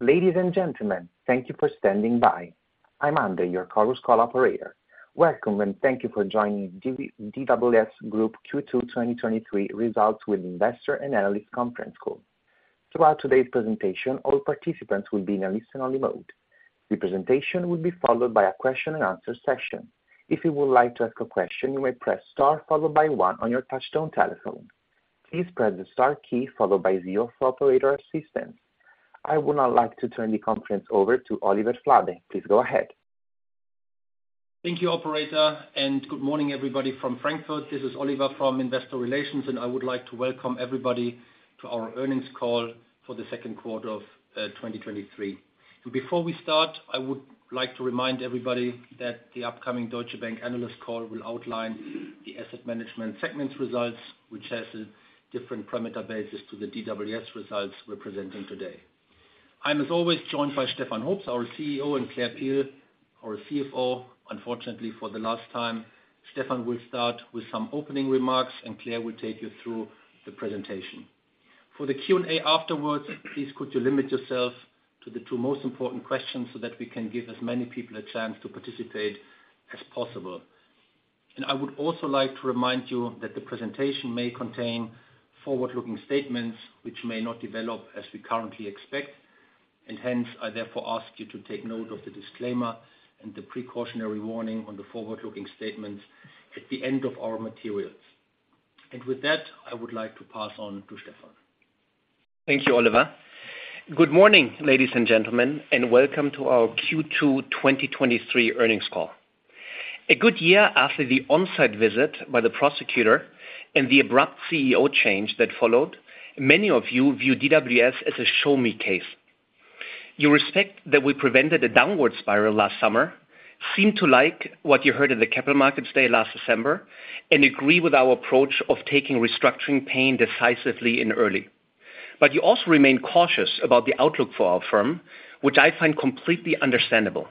Ladies and gentlemen, thank you for standing by. I'm Andre, your Chorus Call operator. Welcome, and thank you for joining DWS Group Q2 2023 Results with Investor and Analyst Conference Call. Throughout today's presentation, all participants will be in a listen-only mode. The presentation will be followed by a question and answer session. If you would like to ask a question, you may press Star followed by one on your touchtone telephone. Please press the Star key followed by zero for operator assistance. I would now like to turn the conference over to Oliver Flade. Please go ahead. Thank you, Operator. Good morning, everybody from Frankfurt. This is Oliver from Investor Relations, and I would like to welcome everybody to our earnings call for Q2 of 2023. Before we start, I would like to remind everybody that the upcoming Deutsche Bank analyst call will outline the asset management segments results, which has a different parameter basis to the DWS results we're presenting today. I'm, as always, joined by Stefan Hoops, our CEO, and Claire Peel, our CFO, unfortunately for the last time. Stefan will start with some opening remarks, and Claire will take you through the presentation. For the Q&A afterwards, please could you limit yourself to the two most important questions so that we can give as many people a chance to participate as possible. I would also like to remind you that the presentation may contain forward-looking statements which may not develop as we currently expect, and hence, I therefore ask you to take note of the disclaimer and the precautionary warning on the forward-looking statements at the end of our materials. With that, I would like to pass on to Stefan Thank you, Oliver. Good morning, ladies and gentlemen, welcome to our Q2 2023 earnings call. A good year after the on site visit by the prosecutor and the abrupt CEO change that followed, many of you view DWS as a show me case. You respect that we prevented a downward spiral last summer, seem to like what you heard in the Capital Markets Day last December, and agree with our approach of taking restructuring pain decisively and early. You also remain cautious about the outlook for our firm, which I find completely understandable.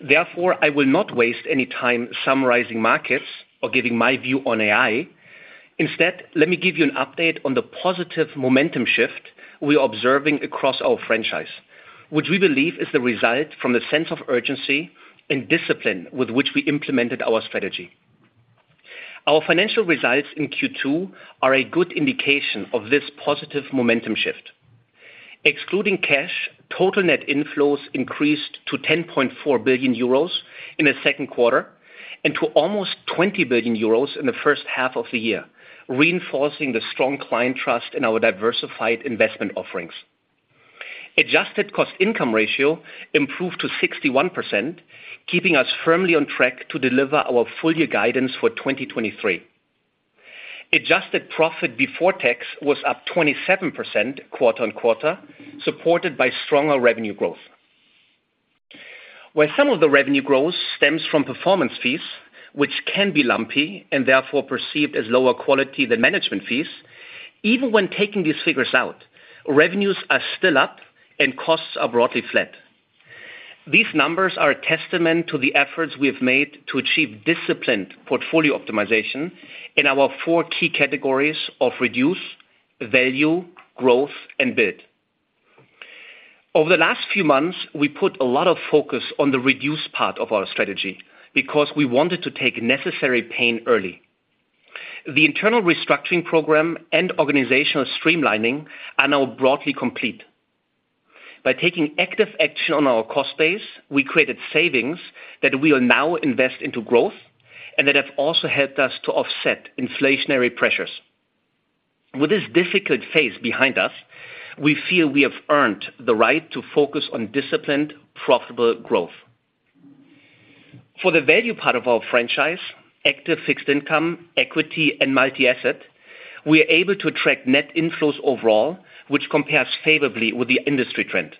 Therefore, I will not waste any time summarizing markets or giving my view on AI. Instead, let me give you an update on the positive momentum shift we are observing across our franchise, which we believe is the result from the sense of urgency and discipline with which we implemented our strategy. Our financial results in Q2 are a good indication of this positive momentum shift. Excluding cash, total net inflows increased to 10.4 billion euros in the Q2 and to almost 20 billion euros in the H1 of the year, reinforcing the strong client trust in our diversified investment offerings. Adjusted cost income ratio improved to 61%, keeping us firmly on track to deliver our full year guidance for 2023. Adjusted profit before tax was up 27% quarter on quarter, supported by stronger revenue growth. While some of the revenue growth stems from performance fees, which can be lumpy and therefore perceived as lower quality than management fees, even when taking these figures out, revenues are still up and costs are broadly flat. These numbers are a testament to the efforts we have made to achieve disciplined portfolio optimization in our four key categories of reduce, value, growth, and build. Over the last few months, we put a lot of focus on the reduce part of our strategy because we wanted to take necessary pain early. The internal restructuring program and organizational streamlining are now broadly complete. By taking active action on our cost base, we created savings that we will now invest into growth and that have also helped us to offset inflationary pressures. With this difficult phase behind us, we feel we have earned the right to focus on disciplined, profitable growth. For the value part of our franchise, active fixed income, equity, and multi-asset, we are able to attract net inflows overall, which compares favorably with the industry trend.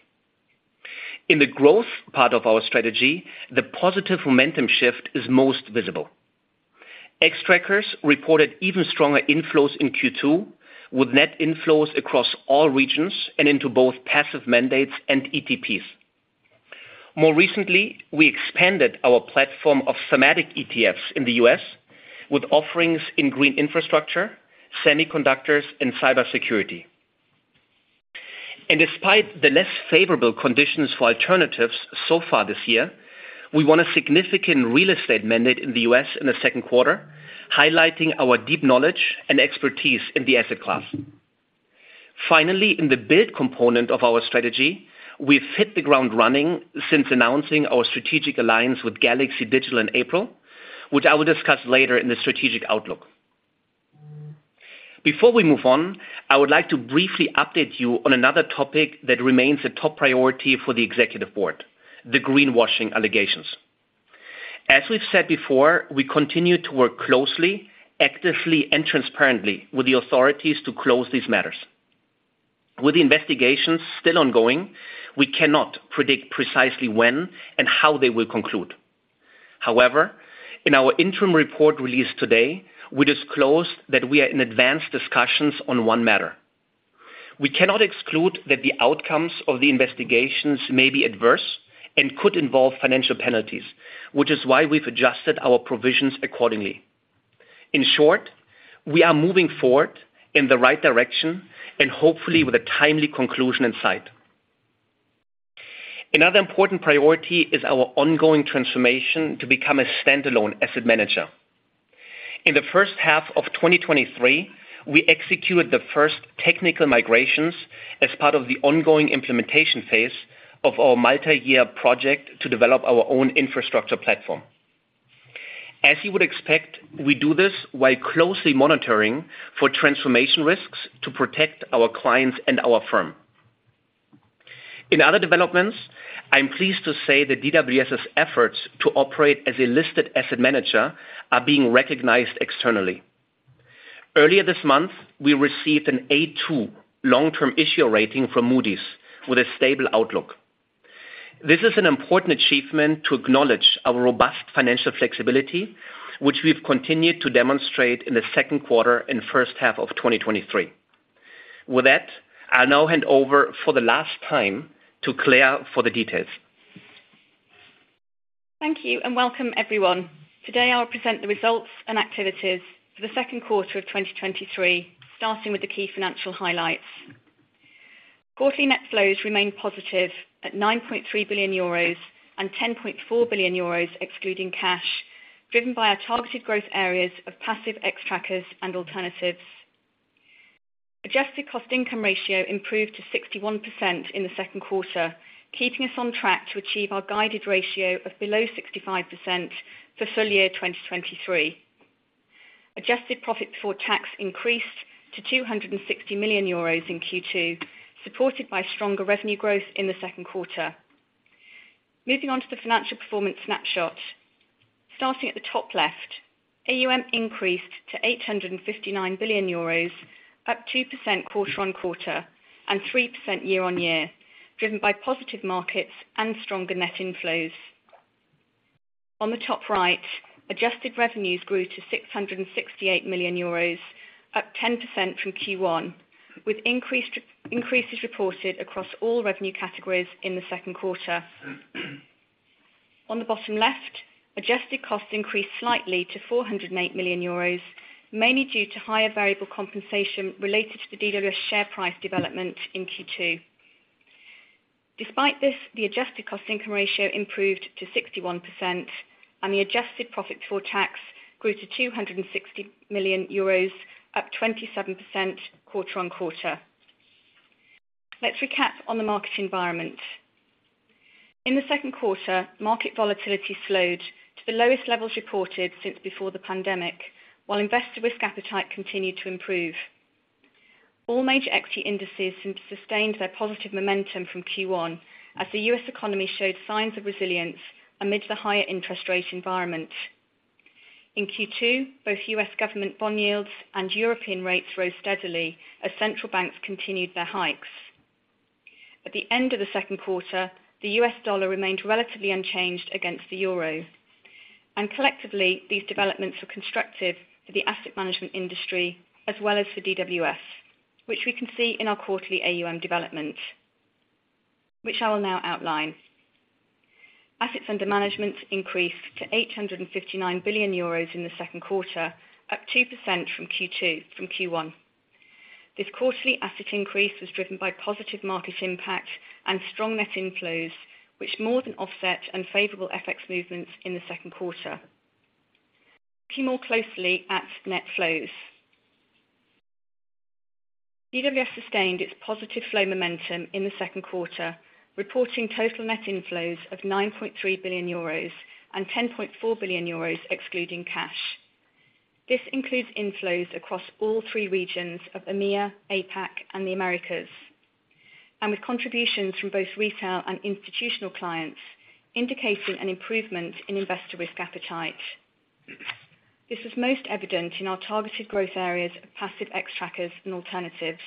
In the growth part of our strategy, the positive momentum shift is most visible. Xtrackers reported even stronger inflows in Q2, with net inflows across all regions and into both passive mandates and ETPs. More recently, we expanded our platform of thematic ETFs in the US with offerings in green infrastructure, semiconductors, and cybersecurity. Despite the less favorable conditions for alternatives so far this year, we won a significant real estate mandate in the US in the Q2, highlighting our deep knowledge and expertise in the asset class. Finally, in the build component of our strategy, we've hit the ground running since announcing our strategic alliance with Galaxy Digital in April, which I will discuss later in the strategic outlook. Before we move on, I would like to briefly update you on another topic that remains a top priority for the Executive Board, the greenwashing allegations. As we've said before, we continue to work closely, actively and transparently with the authorities to close these matters. With the investigations still ongoing, we cannot predict precisely when and how they will conclude. However, in our Interim Report released today, we disclosed that we are in advanced discussions on one matter. We cannot exclude that the outcomes of the investigations may be adverse and could involve financial penalties, which is why we've adjusted our provisions accordingly. In short, we are moving forward in the right direction and hopefully with a timely conclusion in sight. Another important priority is our ongoing transformation to become a standalone asset manager. In the first half of 2023, we executed the first technical migrations as part of the ongoing implementation phase of our multi-year project to develop our own infrastructure platform. As you would expect, we do this while closely monitoring for transformation risks to protect our clients and our firm. In other developments, I am pleased to say that DWS's efforts to operate as a listed asset manager are being recognized externally. Earlier this month, we received an A2 long-term issuer rating from Moody's with a stable outlook. This is an important achievement to acknowledge our robust financial flexibility, which we've continued to demonstrate in the Q2 and first half of 2023. With that, I'll now hand over for the last time to Claire for the details. Thank you, and welcome, everyone. Today, I'll present the results and activities for the Q2 of 2023, starting with the key financial highlights. Quarterly net flows remained positive at 9.3 billion euros and 10.4 billion euros excluding cash, driven by our targeted growth areas of passive Xtrackers and alternatives. Adjusted cost income ratio improved to 61% in the Q2, keeping us on track to achieve our guided ratio of below 65% for full year 2023. Adjusted profit before tax increased to 260 million euros in Q2, supported by stronger revenue growth in Q2. Moving on to the financial performance snapshot. Starting at the top left, AUM increased to 859 billion euros, up 2% quarter-on-quarter, and 3% year on year, driven by positive markets and stronger net inflows. On the top right, adjusted revenues grew to 668 million euros, up 10% from Q1, with increases reported across all revenue categories in the Q2. On the bottom left, adjusted costs increased slightly to EUR 408 million, mainly due to higher variable compensation related to the DWS share price development in Q2. Despite this, the adjusted cost-income ratio improved to 61%, and the adjusted profit for tax grew to 260 million euros, up 27% quarter on quarter. Let's recap on the market environment in Q2 market volatility slowed to the lowest levels reported since before the pandemic, while investor risk appetite continued to improve. All major equity indices sustained their positive momentum from Q1 as the US economy showed signs of resilience amidst the higher interest rate environment. In Q2, both US government bond yields and European rates rose steadily as central banks continued their hikes. At the end of the Q2, the US dollar remained relatively unchanged against the euro. Collectively, these developments were constructive for the asset management industry as well as for DWS, which we can see in our quarterly AUM development, which I will now outline. Assets under management increased to 859 billion euros in the Q2, up 2% from Q1. This quarterly asset increase was driven by positive market impact and strong net inflows, which more than offset unfavorable FX movements in the Q2. Looking more closely at net flows. DWS sustained its positive flow momentum in the Q2, reporting total net inflows of 9.3 billion euros and 10.4 billion euros excluding cash. This includes inflows across all three regions of EMEA, APAC, and the Americas, and with contributions from both retail and institutional clients, indicating an improvement in investor risk appetite. This is most evident in our targeted growth areas of passive Xtrackers and alternatives.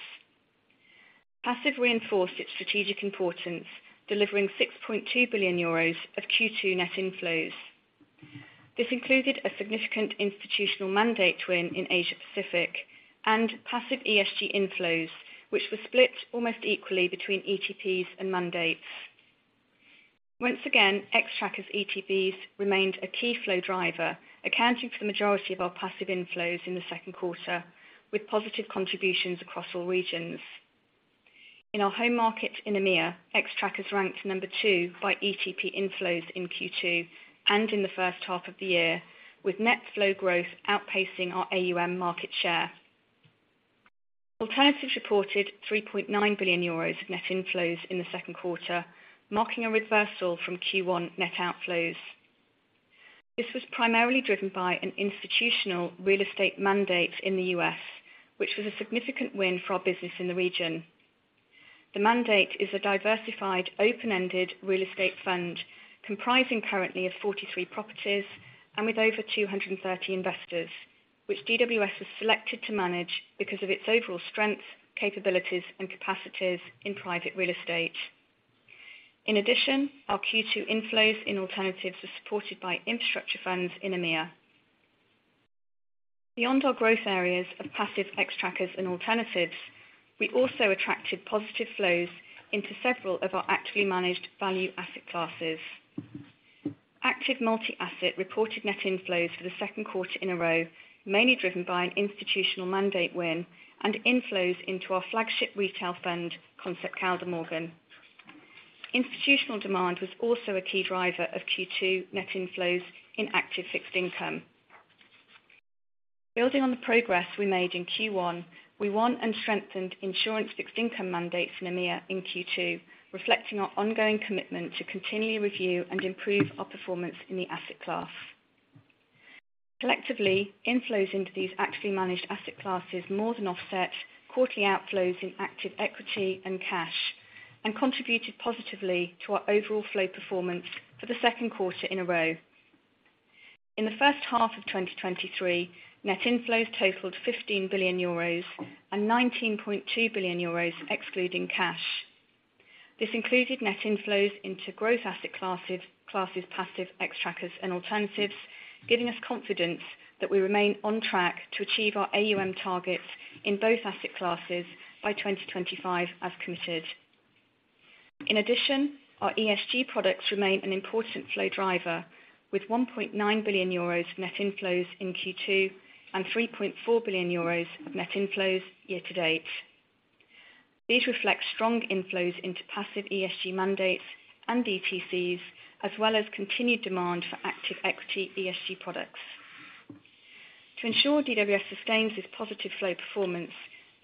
Passive reinforced its strategic importance, delivering 6.2 billion euros of Q2 net inflows. This included a significant institutional mandate win in Asia Pacific and passive ESG inflows, which were split almost equally between ETPs and mandates. Once again, Xtrackers ETPs remained a key flow driver, accounting for the majority of our passive inflows in the Q2, with positive contributions across all regions. In our home market in EMEA, Xtrackers ranked number two by ETP inflows in Q2 and in the H1 of the year, with net flow growth outpacing our AUM market share. Alternatives reported 3.9 billion euros of net inflows in the Q2, marking a reversal from Q1 net outflows. This was primarily driven by an institutional real estate mandate in the US, which was a significant win for our business in the region. The mandate is a diversified, open-ended real estate fund comprising currently of 43 properties and with over 230 investors, which DWS has selected to manage because of its overall strength, capabilities, and capacities in private real estate. In addition, our Q2 inflows in alternatives were supported by infrastructure funds in EMEA. Beyond our growth areas of passive Xtrackers and alternatives. We also attracted positive flows into several of our actively managed value asset classes. Active multi-asset reported net inflows for the Q2 in a row, mainly driven by an institutional mandate win and inflows into our flagship retail fund, Concept Kaldemorgen. Institutional demand was also a key driver of Q2 net inflows in active fixed income. Building on the progress we made in Q1, we won and strengthened insurance fixed income mandates in EMEA in Q2, reflecting our ongoing commitment to continually review and improve our performance in the asset class. Collectively, inflows into these actively managed asset classes more than offset quarterly outflows in active equity and cash, and contributed positively to our overall flow performance for the Q2 in a row. In the first half of 2023, net inflows totaled 15 billion euros and 19.2 billion euros excluding cash. This included net inflows into growth asset classes, passive, Xtrackers, and alternatives, giving us confidence that we remain on track to achieve our AUM targets in both asset classes by 2025, as committed. In addition, our ESG products remain an important flow driver, with 1.9 billion euros of net inflows in Q2 and 3.4 billion euros of net inflows year to date. These reflect strong inflows into passive ESG mandates and ETCs, as well as continued demand for active equity ESG products. To ensure DWS sustains this positive flow performance,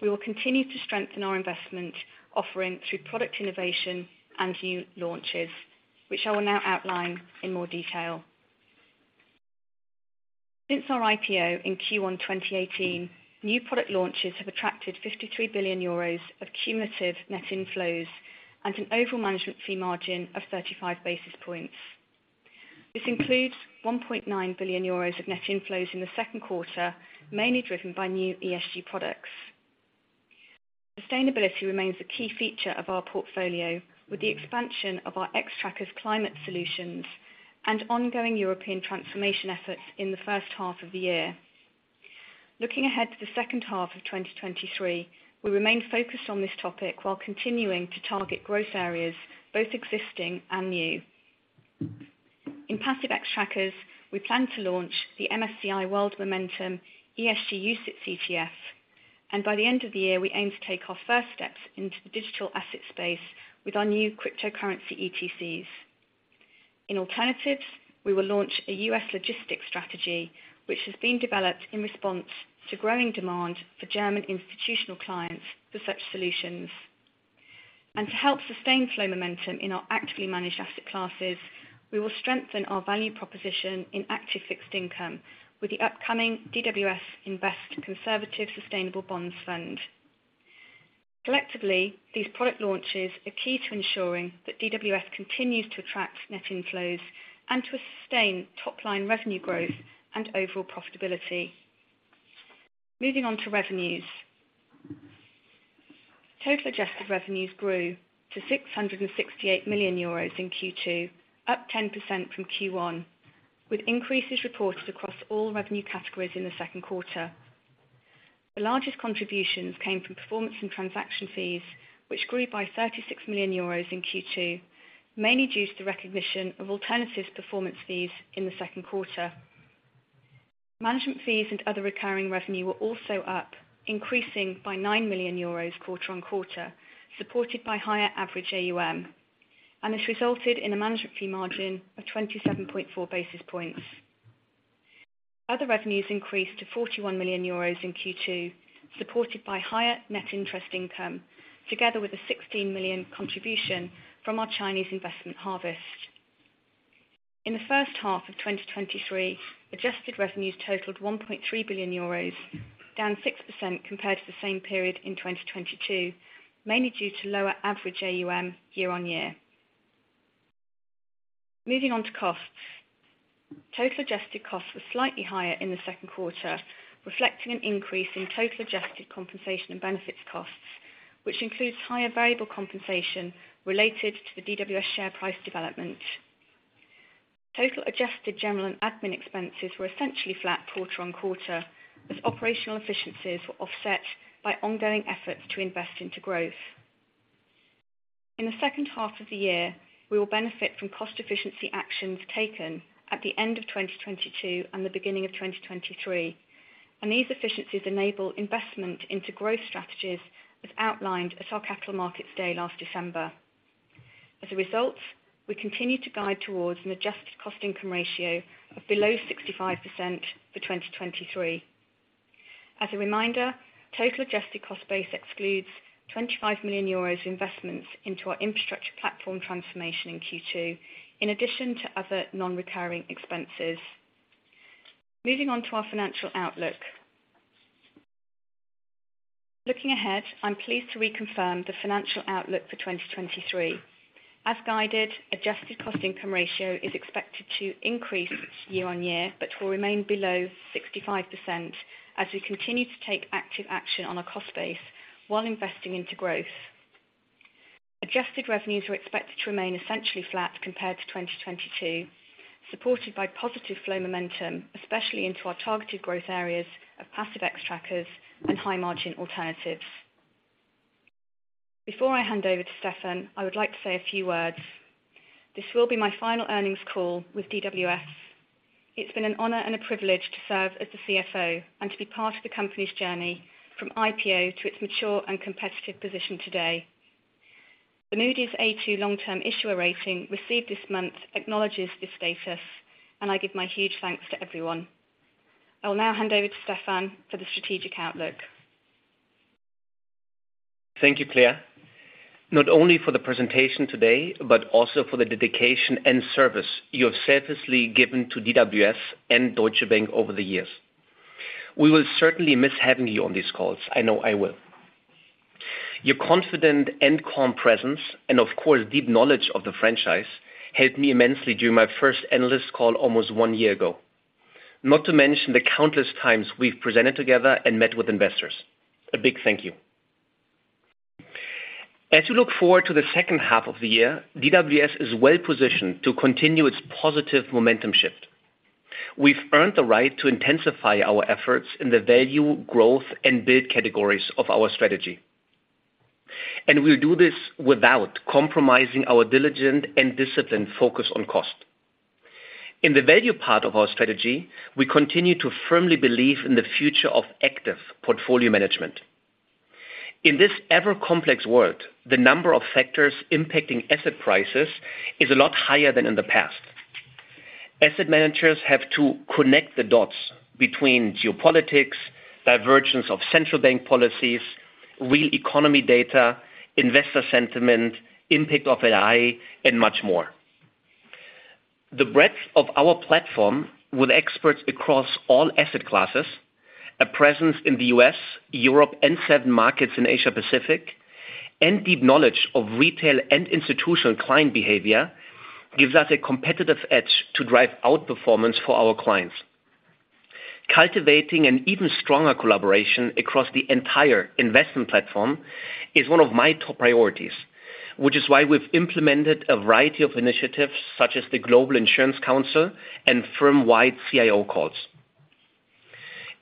we will continue to strengthen our investment offering through product innovation and new launches, which I will now outline in more detail. Since our IPO in Q1 2018, new product launches have attracted 53 billion euros of cumulative net inflows and an overall management fee margin of 35 basis points. This includes 1.9 billion euros of net inflows in the Q2, mainly driven by new ESG products. Sustainability remains a key feature of our portfolio, with the expansion of our Xtrackers climate solutions and ongoing European transformation efforts in H1 of the year. Looking ahead to H2 of 2023, we remain focused on this topic while continuing to target growth areas, both existing and new. In passive Xtrackers, we plan to launch the MSCI World Momentum ESG UCITS ETF, and by the end of the year, we aim to take our first steps into the digital asset space with our new cryptocurrency ETCs. In alternatives, we will launch a US logistics strategy, which has been developed in response to growing demand for German institutional clients for such solutions. To help sustain flow momentum in our actively managed asset classes, we will strengthen our value proposition in active fixed income with the upcoming DWS Invest Conservative Sustainable Bonds Fund. Collectively, these product launches are key to ensuring that DWS continues to attract net inflows and to sustain top-line revenue growth and overall profitability. Moving on to revenues. Total adjusted revenues grew to 668 million euros in Q2, up 10% from Q1, with increases reported across all revenue categories in the Q2. The largest contributions came from performance and transaction fees, which grew by 36 million euros in Q2, mainly due to the recognition of alternatives performance fees in the Q2. Management fees and other recurring revenue were also up, increasing by 9 million euros quarter on quarter, supported by higher average AUM, and this resulted in a management fee margin of 27.4 basis points. Other revenues increased to 41 million euros in Q2, supported by higher net interest income, together with a EUR 16 million contribution from our Chinese investment Harvest. In the H1 of 2023, adjusted revenues totaled 1.3 billion euros, down 6% compared to the same period in 2022, mainly due to lower average AUM year on year. Moving on to costs. Total adjusted costs were slightly higher in Q2, reflecting an increase in total adjusted compensation and benefits costs, which includes higher variable compensation related to the DWS share price development. Total adjusted general and admin expenses were essentially flat quarter-on-quarter, as operational efficiencies were offset by ongoing efforts to invest into growth. In H2 of the year, we will benefit from cost efficiency actions taken at the end of 2022 and the beginning of 2023, and these efficiencies enable investment into growth strategies, as outlined at our Capital Markets Day last December. As a result, we continue to guide towards an adjusted cost income ratio of below 65% for 2023. As a reminder, total adjusted cost base excludes 25 million euros investments into our infrastructure platform transformation in Q2, in addition to other non-recurring expenses. Moving on to our financial outlook. Looking ahead, I'm pleased to reconfirm the financial outlook for 2023. As guided, adjusted cost income ratio is expected to increase year on year, but will remain below 65% as we continue to take active action on our cost base while investing into growth. Adjusted revenues are expected to remain essentially flat compared to 2022, supported by positive flow momentum, especially into our targeted growth areas of passive Xtrackers and high-margin alternatives. Before I hand over to Stefan, I would like to say a few words. This will be my final earnings call with DWS. It's been an honor and a privilege to serve as the CFO and to be part of the company's journey from IPO to its mature and competitive position today. The Moody's A2 long-term issuer rating received this month acknowledges this status, and I give my huge thanks to everyone. I will now hand over to Stefan for the strategic outlook. Thank you, Claire. Not only for the presentation today, but also for the dedication and service you have selflessly given to DWS and Deutsche Bank over the years. We will certainly miss having you on these calls. I know I will. Your confident and calm presence, and of course, deep knowledge of the franchise, helped me immensely during my first analyst call almost one year ago, not to mention the countless times we've presented together and met with investors. A big thank you. We look forward to H2 of the year, DWS is well positioned to continue its positive momentum shift. We've earned the right to intensify our efforts in the value, growth, and build categories of our strategy, and we will do this without compromising our diligent and disciplined focus on cost. In the value part of our strategy, we continue to firmly believe in the future of active portfolio management. In this ever-complex world, the number of factors impacting asset prices is a lot higher than in the past. Asset managers have to connect the dots between geopolitics, divergence of central bank policies, real economy data, investor sentiment, impact of AI, and much more. The breadth of our platform with experts across all asset classes, a presence in the US, Europe, and seven markets in Asia-Pacific, and deep knowledge of retail and institutional client behavior, gives us a competitive edge to drive outperformance for our clients. Cultivating an even stronger collaboration across the entire investment platform is one of my top priorities, which is why we've implemented a variety of initiatives, such as the Global Insurance Council and firm-wide CIO calls.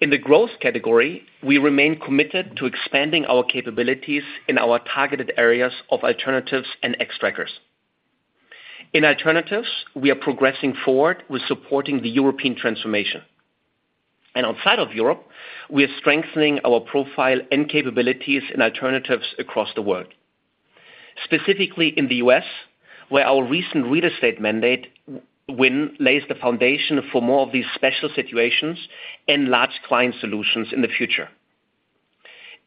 In the growth category, we remain committed to expanding our capabilities in our targeted areas of alternatives and Xtrackers. In alternatives, we are progressing forward with supporting the European transformation, and outside of Europe, we are strengthening our profile and capabilities in alternatives across the world. Specifically in the US, where our recent real estate mandate win, lays the foundation for more of these special situations and large client solutions in the future.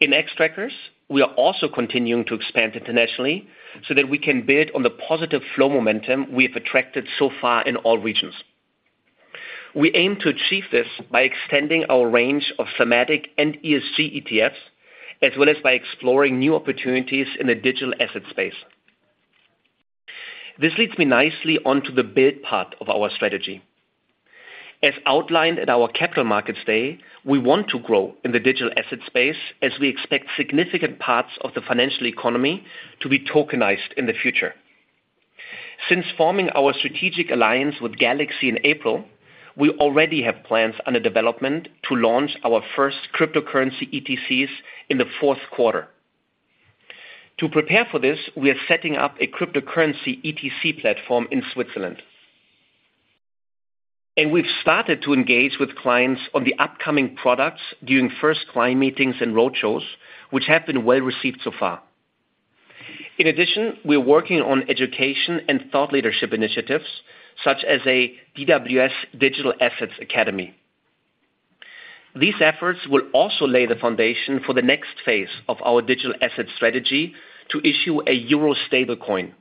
In Xtrackers, we are also continuing to expand internationally so that we can build on the positive flow momentum we have attracted so far in all regions. We aim to achieve this by extending our range of thematic and ESG ETFs, as well as by exploring new opportunities in the digital asset space. This leads me nicely onto the build part of our strategy. As outlined at our Capital Markets Day, we want to grow in the digital asset space as we expect significant parts of the financial economy to be tokenized in the future. Since forming our strategic alliance with Galaxy in April, we already have plans under development to launch our first cryptocurrency ETCs in the fourth quarter. To prepare for this, we are setting up a cryptocurrency ETC platform in Switzerland, and we've started to engage with clients on the upcoming products during first client meetings and roadshows, which have been well received so far. In addition, we are working on education and thought leadership initiatives such as a DWS Digital Assets Academy. These efforts will also lay the foundation for the next phase of our digital asset strategy to issue a euro stablecoin,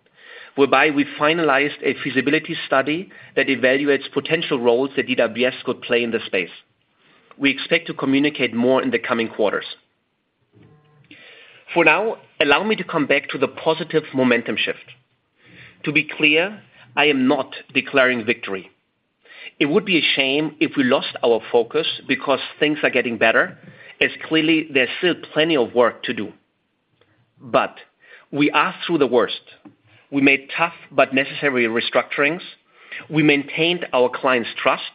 whereby we finalized a feasibility study that evaluates potential roles that DWS could play in this space. We expect to communicate more in the coming quarters. For now, allow me to come back to the positive momentum shift. To be clear, I am not declaring victory. It would be a shame if we lost our focus because things are getting better, as clearly there's still plenty of work to do. We are through the worst. We made tough but necessary restructurings. We maintained our clients trust,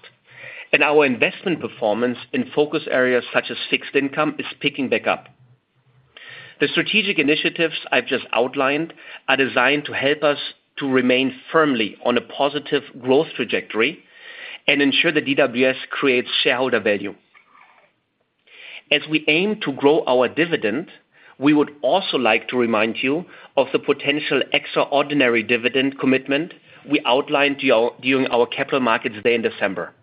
and our investment performance in focus areas such as fixed income, is picking back up. The strategic initiatives I've just outlined are designed to help us to remain firmly on a positive growth trajectory and ensure that DWS creates shareholder value. As we aim to grow our dividend, we would also like to remind you of the potential extraordinary dividend commitment we outlined during our Capital Markets Day in December.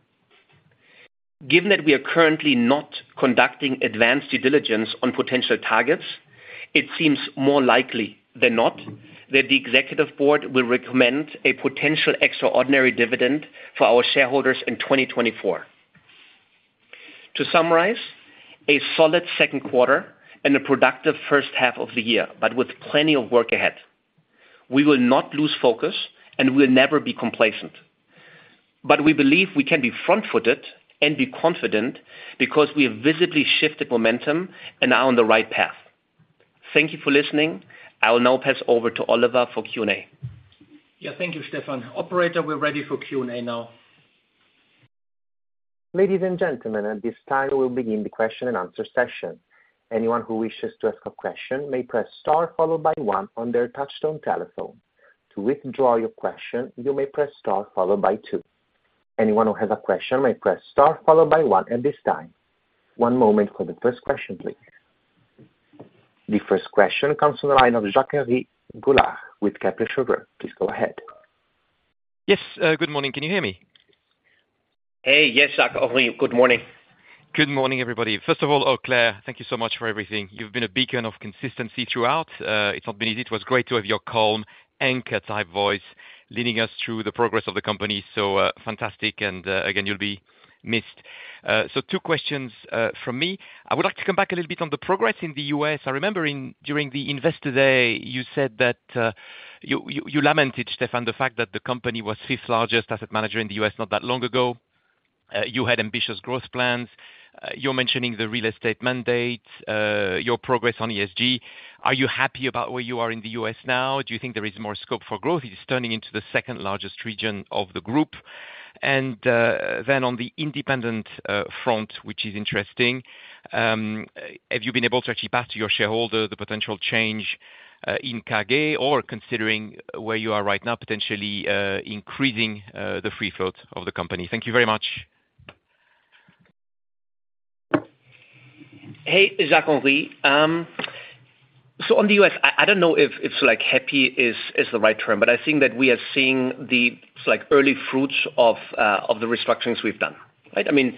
Given that we are currently not conducting advanced due diligence on potential targets, it seems more likely than not that the Executive Board will recommend a potential extraordinary dividend for our shareholders in 2024. To summarize, a solid Q2 and a productive H1 of the year, but with plenty of work ahead. We will not lose focus, and we will never be complacent. We believe we can be front-footed and be confident, because we have visibly shifted momentum and are on the right path. Thank you for listening. I will now pass over to Oliver for Q&A. Yeah, thank you, Stefan. Operator, we're ready for Q&A now. Ladies and gentlemen, at this time, we'll begin the question and answer session. Anyone who wishes to ask a question may press star, followed by one on their touchtone telephone. To withdraw your question, you may press star, followed by two. Anyone who has a question may press star, followed by one at this time. One moment for the first question, please. The first question comes from the line of Jacques-Henri Gaulard with Kepler Cheuvreux. Please go ahead. Yes, good morning. Can you hear me? Hey, yes, Jacques-Henri, good morning. Good morning, everybody. First of all, Claire, thank you so much for everything. You've been a beacon of consistency throughout. It's not been easy. It was great to have your calm, anchor-type voice leading us through the progress of the company. Fantastic, and again, you'll be missed. Two questions from me. I would like to come back a little bit on the progress in the US I remember during the Investor Day, you said that you lamented, Stefan, the fact that the company was fifth largest asset manager in the US not that long ago. You had ambitious growth plans. You're mentioning the real estate mandates, your progress on ESG. Are you happy about where you are in the US now? Do you think there is more scope for growth? It is turning into the second largest region of the group. On the independent front, which is interesting, have you been able to actually pass to your shareholder the potential change in KGaA, or considering where you are right now, potentially increasing the free float of the company? Thank you very much. Hey, Jacques-Henri. I don't know if it's like happy is the right term, but I think that we are seeing the, like, early fruits of the restructurings we've done, right? I mean,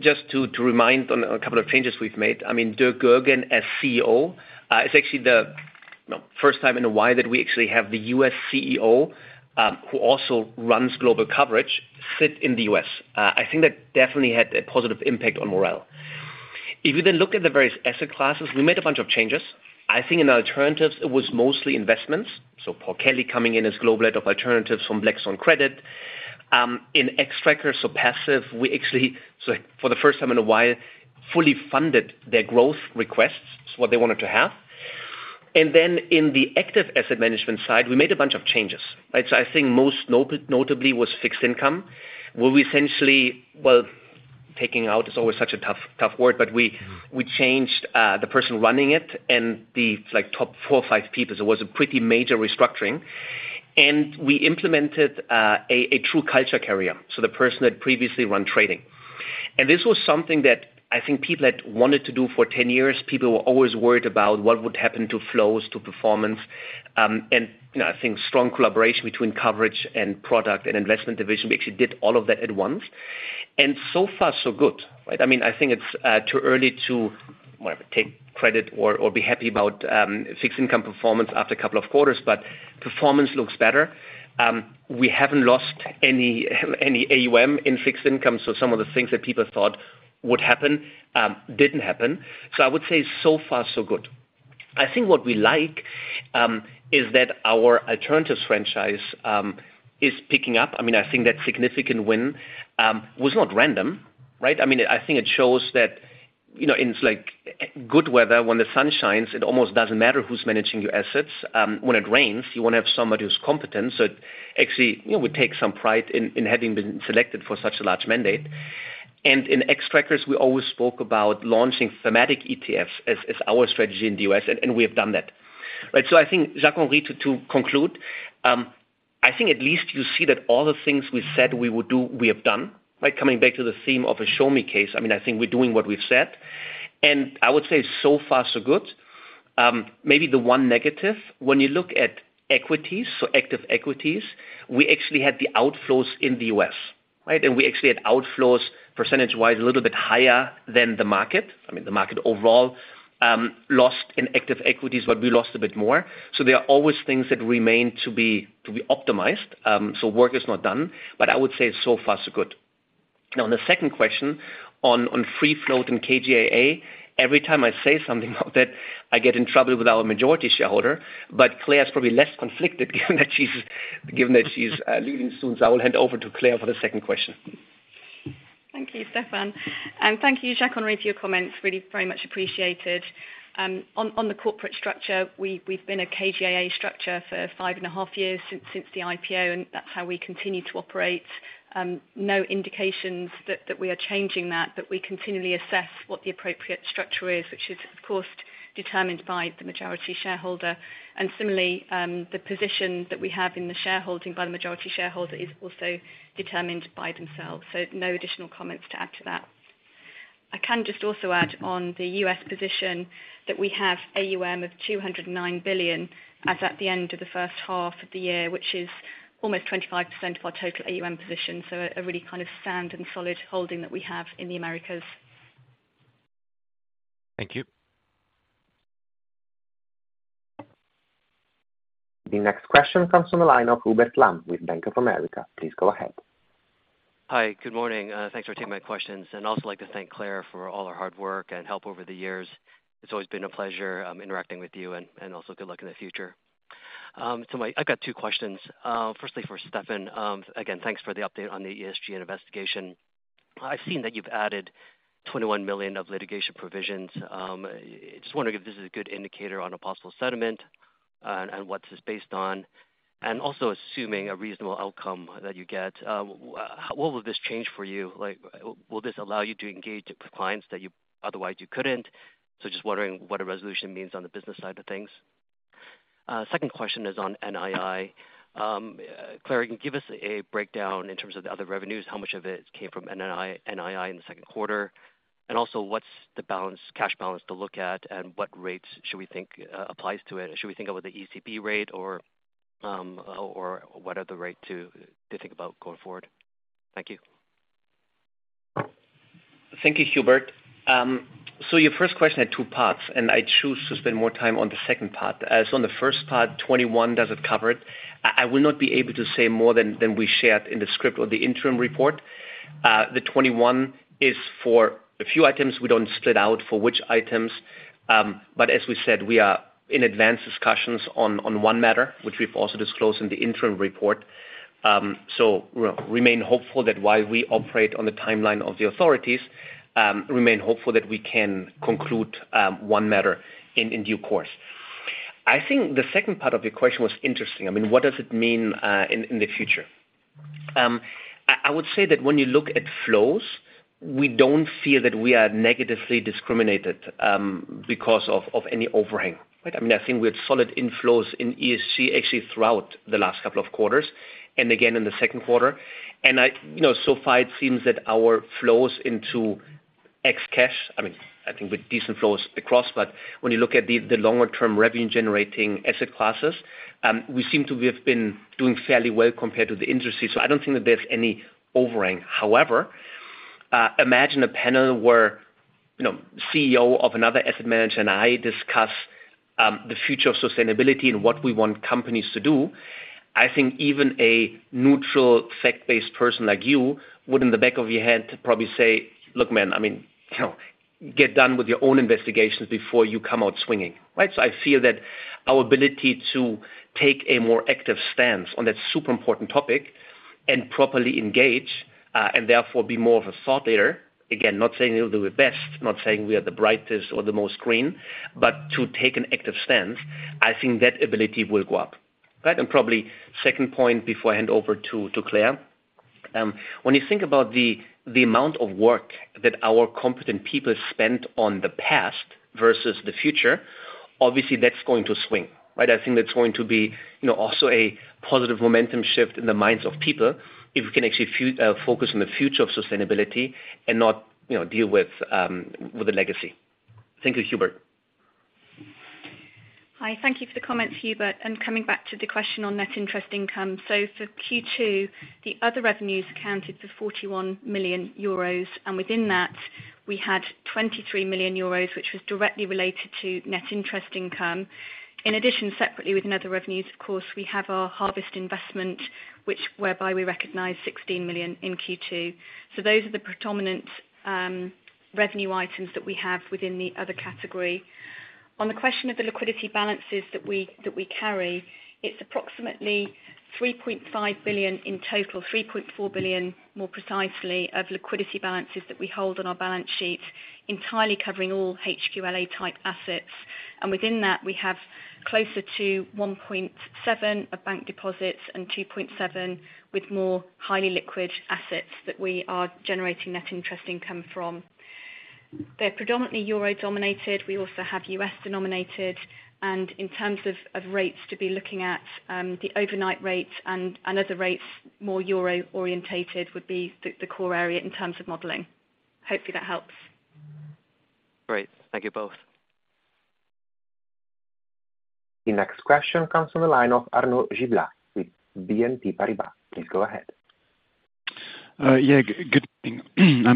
just to remind on a couple of changes we've made. Dirk Goergen as CEO, is actually the, you know, first time in a while that we actually have the US CEO, who also runs global coverage, sit in the US. I think that definitely had a positive impact on morale. If you look at the various asset classes, we made a bunch of changes. I think in alternatives it was mostly investments, Paul Kelly coming in as Global Head of Alternatives from Blackstone Credit. In Xtrackers, so passive, we actually, so for the first time in a while, fully funded their growth requests, so what they wanted to have. In the active asset management side, we made a bunch of changes, right? I think most notably was fixed income, where we essentially, well, taking out is always such a tough word, but we changed the person running it and the, like, top four or five people. It was a pretty major restructuring. We implemented a true culture carrier, so the person that previously ran trading. This was something that I think people had wanted to do for 10 years. People were always worried about what would happen to flows, to performance. You know, I think strong collaboration between coverage and product and investment division, we actually did all of that at once. So far, so good, right? I mean, I think it's too early to, whatever, take credit or be happy about fixed income performance after a couple of quarters, but performance looks better. We haven't lost any AUM in fixed income, so some of the things that people thought would happen didn't happen. I would say, so far, so good. I think what we like is that our alternatives franchise is picking up. I mean, I think that significant win was not random, right? I mean, I think it shows that, in, like, good weather, when the sun shines, it almost doesn't matter who's managing your assets. When it rains, you want to have somebody who's competent. Actually, you know, we take some pride in having been selected for such a large mandate. In Xtrackers, we always spoke about launching thematic ETFs as our strategy in the US, and we have done that. I think, Jacques-Henri, to conclude, I think at least you see that all the things we said we would do, we have done, by coming back to the theme of a show me case. I mean, I think we're doing what we've said, and I would say, so far, so good. Maybe the one negative, when you look at equities, so active equities, we actually had the outflows in the US, right? We actually had outflows, percentage-wise, a little bit higher than the market. I mean, the market overall, lost in active equities, but we lost a bit more. There are always things that remain to be optimized. Work is not done, but I would say, so far, so good. Now, on the second question, on free float and KGaA, every time I say something about that, I get in trouble with our majority shareholder, but Claire's probably less conflicted, given that she's leaving soon. I will hand over to Claire for the second question. Thank you, Stefan. Thank you, Jacques-Henri, for your comments. Really very much appreciated. On the corporate structure, we've been a KGaA structure for five and a half years, since the IPO, and that's how we continue to operate. No indications that we are changing that, but we continually assess what the appropriate structure is, which is, of course, determined by the majority shareholder. Similarly, the position that we have in the shareholding by the majority shareholder is also determined by themselves. No additional comments to add to that. I can just also add on the US position, that we have AUM of 209 billion, as at the end of the H1 of the year, which is almost 25% of our total AUM position. A really kind of sound and solid holding that we have in the Americas. Thank you. The next question comes from the line of Hubert Lam with Bank of America. Please go ahead. Hi, good morning. Thanks for taking my questions, and also like to thank Claire for all her hard work and help over the years. It's always been a pleasure interacting with you, and also good luck in the future. I've got two questions. Firstly for Stefan, again, thanks for the update on the ESG investigation. I've seen that you've added 21 million of litigation provisions. Just wondering if this is a good indicator on a possible settlement, and what this is based on? Also assuming a reasonable outcome that you get, what will this change for you? Like, will this allow you to engage with clients that you otherwise you couldn't? Just wondering what a resolution means on the business side of things. Second question is on NII. Claire, can you give us a breakdown in terms of the other revenues, how much of it came from NII in the Q2? What's the balance, cash balance to look at, and what rates should we think applies to it? Should we think about the ECB rate or what are the rate to think about going forward? Thank you. Thank you, Hubert. Your first question had two parts, and I choose to spend more time on the second part. As on the first part, 21, does it cover it? I will not be able to say more than we shared in the script or the Interim Report. The 21 is for a few items we don't split out for which items, but as we said, we are in advanced discussions on one matter, which we've also disclosed in the Interim Report. We remain hopeful that while we operate on the timeline of the authorities, remain hopeful that we can conclude one matter in due course. I think the second part of your question was interesting. I mean, what does it mean in the future? I would say that when you look at flows, we don't feel that we are negatively discriminated because of any overhang, right? I mean, I think we had solid inflows in ESG, actually throughout the last couple of quarters, and again, in the Q2. You know, so far it seems that our flows into ex cash, I mean, I think with decent flows across, but when you look at the longer term revenue generating asset classes, we seem to have been doing fairly well compared to the industry. I don't think that there's any overhang. However, imagine a panel where, you know, CEO of another asset manager and I discuss the future of sustainability and what we want companies to do. I think even a neutral, fact-based person like you, would in the back of your head probably say, "Look, man, I mean, you know, get done with your own investigations before you come out swinging," right? I feel that our ability to take a more active stance on that super important topic and properly engage, and therefore be more of a thought leader, again, not saying we're the best, not saying we are the brightest or the most green, but to take an active stance, I think that ability will go up. Right, probably second point before I hand over to Claire. When you think about the amount of work that our competent people spent on the past versus the future, obviously that's going to swing, right? I think that's going to be, you know, also a positive momentum shift in the minds of people if we can actually focus on the future of sustainability and not, you know, deal with the legacy. Thank you, Hubert. Hi, thank you for the comments, Hubert. Coming back to the question on net interest income. For Q2, the other revenues accounted for 41 million euros, and within that, we had 23 million euros, which was directly related to net interest income. In addition, separately, with other revenues, of course, we have our Harvest investment, which whereby we recognize 16 million in Q2. Those are the predominant revenue items that we have within the other category. On the question of the liquidity balances that we carry, it's approximately 3.5 billion in total, 3.4 billion more precisely, of liquidity balances that we hold on our balance sheet, entirely covering all HQLA-type assets. Within that, we have closer to 1.7 billion of bank deposits and 2.7 billion with more highly liquid assets that we are generating net interest income from. They're predominantly euro-denominated. We also have US-denominated. In terms of rates to be looking at, the overnight rates and other rates, more euro-oriented would be the core area in terms of modeling. Hopefully that helps. Great. Thank you both. The next question comes from the line of Arnaud Giblat with BNP Paribas. Please go ahead. Yeah, good morning.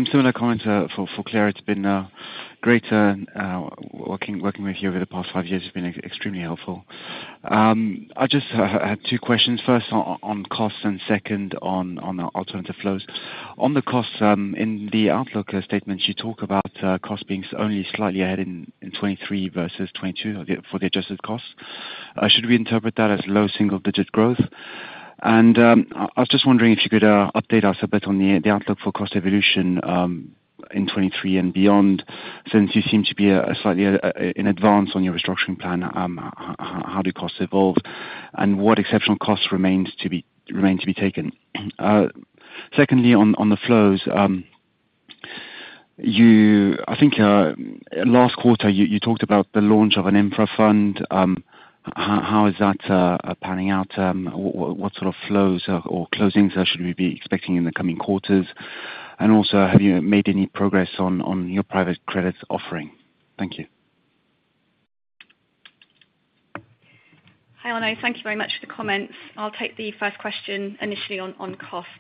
Similar comment for Claire. It's been great working with you over the past five years, it's been extremely helpful. I just had two questions. First on costs, and second, on alternative flows. On the costs, in the outlook statement, you talk about costs being only slightly ahead in 2023 versus 2022 for the adjusted costs. Should we interpret that as low single-digit growth? I was just wondering if you could update us a bit on the outlook for cost evolution in 2023 and beyond, since you seem to be slightly in advance on your restructuring plan, how do costs evolve and what exceptional costs remain to be taken? Secondly, on the flows, I think last quarter you talked about the launch of an infra fund. How is that panning out? What sort of flows or closings should we be expecting in the coming quarters? Have you made any progress on your private credits offering? Thank you. Hi, Arno, thank you very much for the comments. I'll take the first question initially on costs.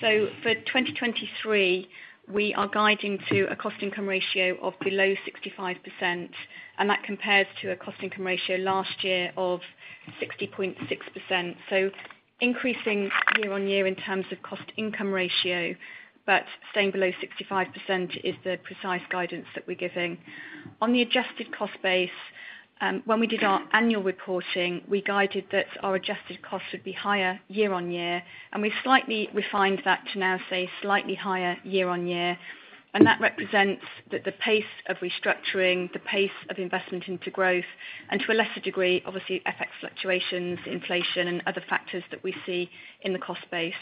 For 2023, we are guiding to a cost income ratio of below 65%, and that compares to a cost income ratio last year of 60.6%. Increasing year on year in terms of cost income ratio, but staying below 65% is the precise guidance that we're giving. On the adjusted cost base, when we did our annual reporting, we guided that our adjusted costs would be higher year on year, and we slightly refined that to now say slightly higher year on year. That represents that the pace of restructuring, the pace of investment into growth, and to a lesser degree, obviously FX fluctuations, inflation, and other factors that we see in the cost base.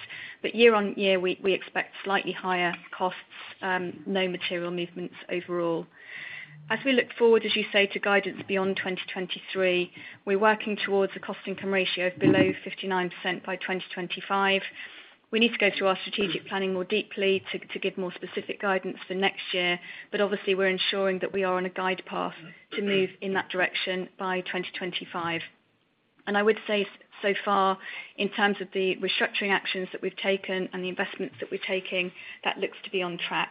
year on year, we expect slightly higher costs, no material movements overall. As we look forward, as you say, to guidance beyond 2023, we're working towards a cost income ratio of below 59% by 2025. We need to go through our strategic planning more deeply to give more specific guidance for next year, but obviously, we're ensuring that we are on a guide path to move in that direction by 2025. I would say so far, in terms of the restructuring actions that we've taken and the investments that we're taking, that looks to be on track.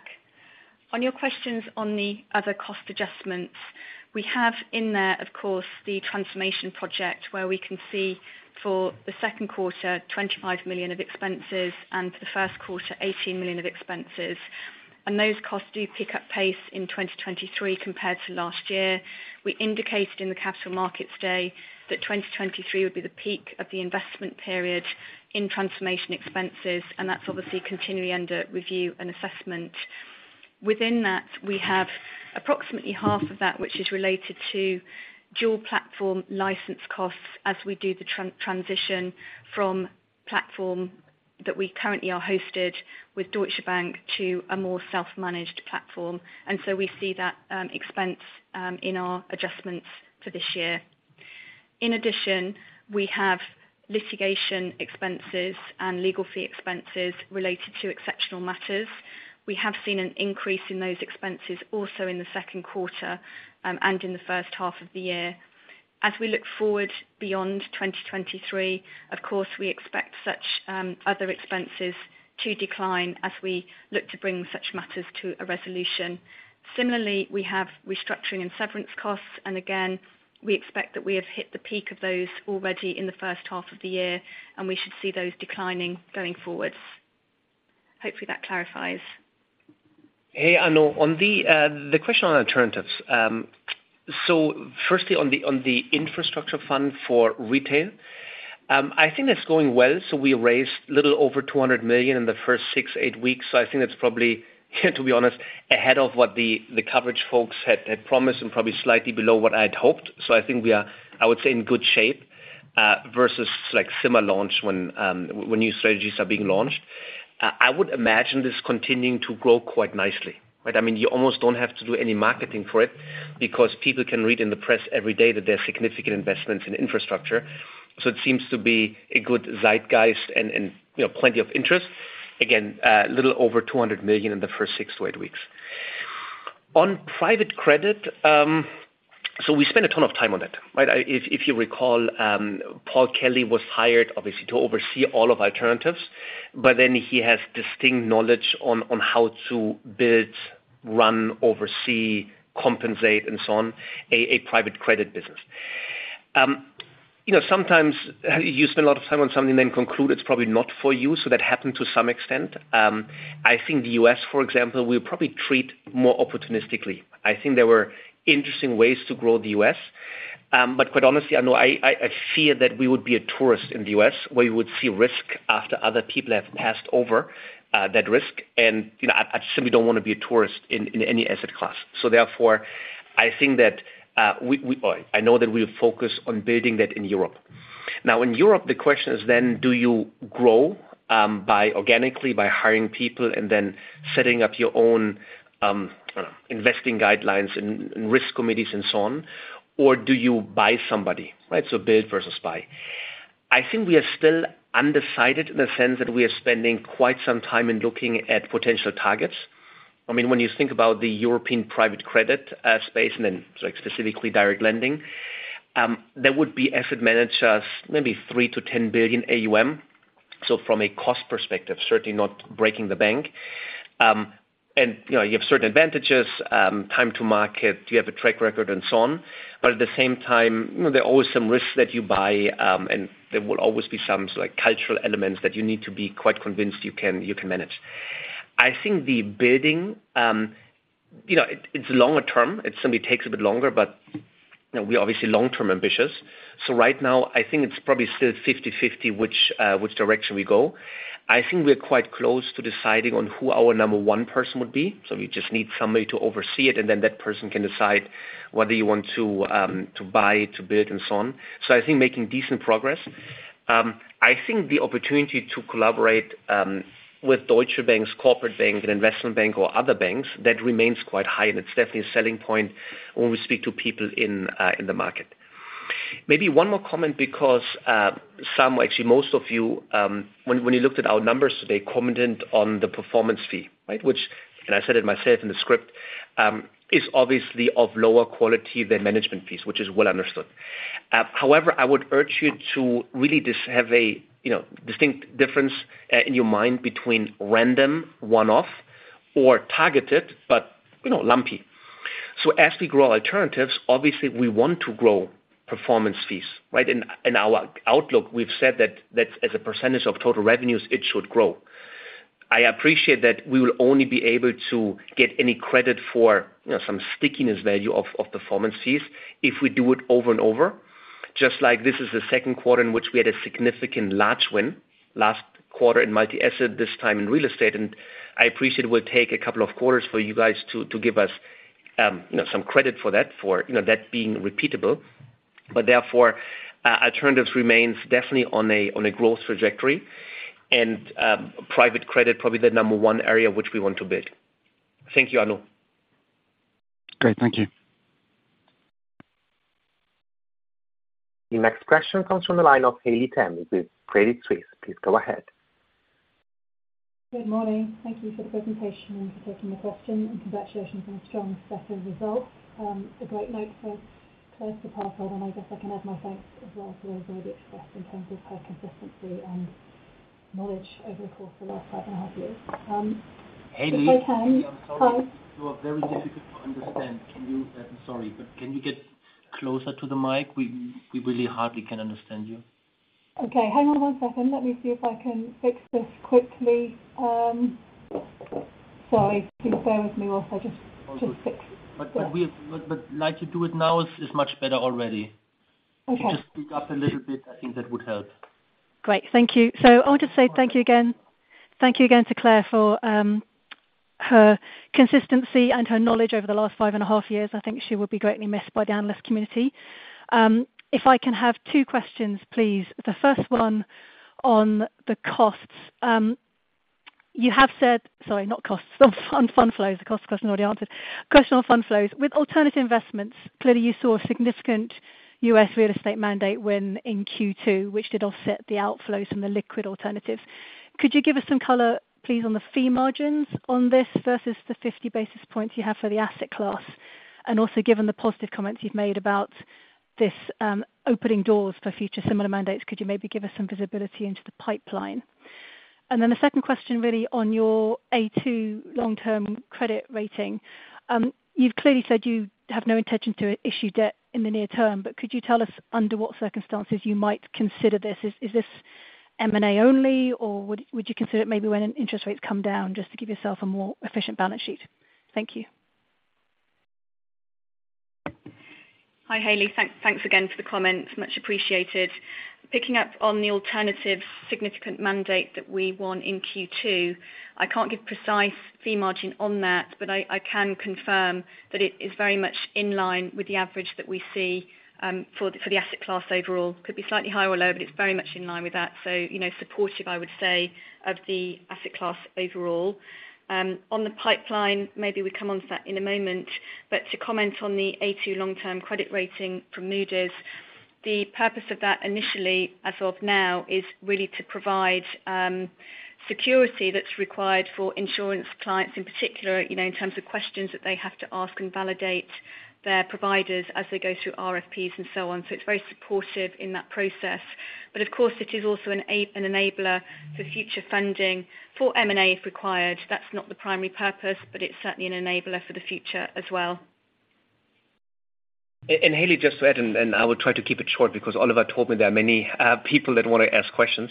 On your questions on the other cost adjustments, we have in there, of course, the transformation project, where we can see for Q2, 25 million of expenses, and for Q1, 18 million of expenses. Those costs do pick up pace in 2023 compared to last year. We indicated in the Capital Markets Day that 2023 would be the peak of the investment period in transformation expenses, and that's obviously continually under review and assessment. Within that, we have approximately half of that, which is related to dual platform license costs as we do the transition from platform that we currently are hosted with Deutsche Bank to a more self-managed platform. We see that expense in our adjustments for this year. We have litigation expenses and legal fee expenses related to exceptional matters. We have seen an increase in those expenses also in the Q2 and in the H1 of the year. Beyond 2023, of course, we expect such other expenses to decline as we look to bring such matters to a resolution. Similarly, we have restructuring and severance costs, and again, we expect that we have hit the peak of those already in the H1 of the year, and we should see those declining going forward. Hopefully, that clarifies. Hey, Arno, on the question on alternatives. Firstly, on the infrastructure fund for retail, I think that's going well. We raised a little over 200 million in the first six, eight weeks, I think that's probably, to be honest, ahead of what the coverage folks had promised and probably slightly below what I'd hoped. I think we are, I would say, in good shape versus like similar launch when new strategies are being launched. I would imagine this continuing to grow quite nicely, right? I mean, you almost don't have to do any marketing for it because people can read in the press every day that there are significant investments in infrastructure. It seems to be a good zeitgeist and, you know, plenty of interest. Again, a little over 200 million in the first six to eight weeks. On private credit, we spend a ton of time on it, right? If you recall, Paul Kelly was hired, obviously, to oversee all of alternatives, he has distinct knowledge on how to build, run, oversee, compensate, and so on, a private credit business. You know, sometimes, you spend a lot of time on something, then conclude it's probably not for you, that happened to some extent. I think the US, for example, we probably treat more opportunistically. I think there were interesting ways to grow the US, quite honestly, I know I fear that we would be a tourist in the US, where you would see risk after other people have passed over, that risk. You know, I simply don't wanna be a tourist in any asset class. Therefore, I think that I know that we'll focus on building that in Europe. In Europe, the question is then, do you grow by organically, by hiring people and then setting up your own investing guidelines and risk committees and so on? Do you buy somebody, right? Build versus buy. I think we are still undecided in the sense that we are spending quite some time in looking at potential targets. I mean, when you think about the European private credit space and then, like, specifically direct lending, there would be asset managers, maybe 3 billion to 10 billion AUM. From a cost perspective, certainly not breaking the bank. You know, you have certain advantages, time to market, you have a track record and so on. At the same time, you know, there are always some risks that you buy, and there will always be some sort of like cultural elements that you need to be quite convinced you can manage. I think the building, you know, it's longer term. It simply takes a bit longer, but, you know, we're obviously long-term ambitious. Right now, I think it's probably still 50/50 which direction we go. I think we're quite close to deciding on who our number one person would be, so we just need somebody to oversee it, and then that person can decide whether you want to buy, to build, and so on. I think making decent progress. I think the opportunity to collaborate with Deutsche Bank's corporate bank and investment bank or other banks, that remains quite high, and it's definitely a selling point when we speak to people in the market. Maybe one more comment, because some, actually most of you, when you looked at our numbers, they commented on the performance fee, right? Which, and I said it myself in the script is obviously of lower quality than management fees, which is well understood. However, I would urge you to really just have a, you know, distinct difference in your mind between random one-off or targeted, but, lumpy. As we grow alternatives, obviously we want to grow performance fees, right? In our outlook, we've said that as a percentage of total revenues, it should grow. I appreciate that we will only be able to get any credit for, you know, some stickiness value of performance fees if we do it over and over. Just like this is the Q2 in which we had a significant large win, last quarter in multi-asset, this time in real estate. I appreciate it will take a couple of quarters for you guys to give us, you know, some credit for that, for, you know, that being repeatable. Therefore, alternatives remains definitely on a, on a growth trajectory and private credit, probably the number one area which we want to build. Thank you, Arnold. Great. Thank you. The next question comes from the line of Haley Tam with Credit Suisse. Please go ahead. Good morning. Thank you for the presentation and for taking the question, and congratulations on a strong, successful result. A great note for close to passcode, and I guess I can add my thanks as well to everybody expressed in terms of her consistency and knowledge over the course of the last five and a half years. Hayley, I'm sorry. Hi. You are very difficult to understand. Sorry, can you get closer to the mic? We really hardly can understand you. Okay, hang on one second. Let me see if I can fix this quickly. Sorry. Please bear with me while I just fix. We, but like you do it now, is much better already. Okay. If you just speak up a little bit, I think that would help. Great. Thank you. I want to say thank you again. Thank you again to Claire for her consistency and her knowledge over the last five and a half years. I think she will be greatly missed by the analyst community. If I can have two questions, please. The first one on the costs. Not costs, on fund flows. The cost question already answered. Question on fund flows. With alternative investments, clearly you saw a significant US real estate mandate win in Q2, which did offset the outflows from the liquid alternatives. Could you give us some color, please, on the fee margins on this versus the 50 basis points you have for the asset class? Also, given the positive comments you've made about this, opening doors for future similar mandates, could you maybe give us some visibility into the pipeline? The second question, really on your A2 Long-Term credit rating. You've clearly said you have no intention to issue debt in the near term, but could you tell us under what circumstances you might consider this? Is this M&A only, or would you consider it maybe when interest rates come down just to give yourself a more efficient balance sheet? Thank you. Hi, Hayley. Thanks again for the comments, much appreciated. Picking up on the alternative significant mandate that we won in Q2, I can't give precise fee margin on that, but I can confirm that it is very much in line with the average that we see for the asset class overall. Could be slightly higher or lower, but it's very much in line with that. You know, supportive, I would say, of the asset class overall. On the pipeline, maybe we come onto that in a moment, to comment on the A2 long-term credit rating from Moody's, the purpose of that initially, as of now, is really to provide security that's required for insurance clients in particular, you know, in terms of questions that they have to ask and validate their providers as they go through RFPs and so on. It's very supportive in that process. Of course, it is also an enabler for future funding for M&A, if required. That's not the primary purpose, but it's certainly an enabler for the future as well. Hayley, just to add, and I will try to keep it short because Oliver told me there are many people that want to ask questions.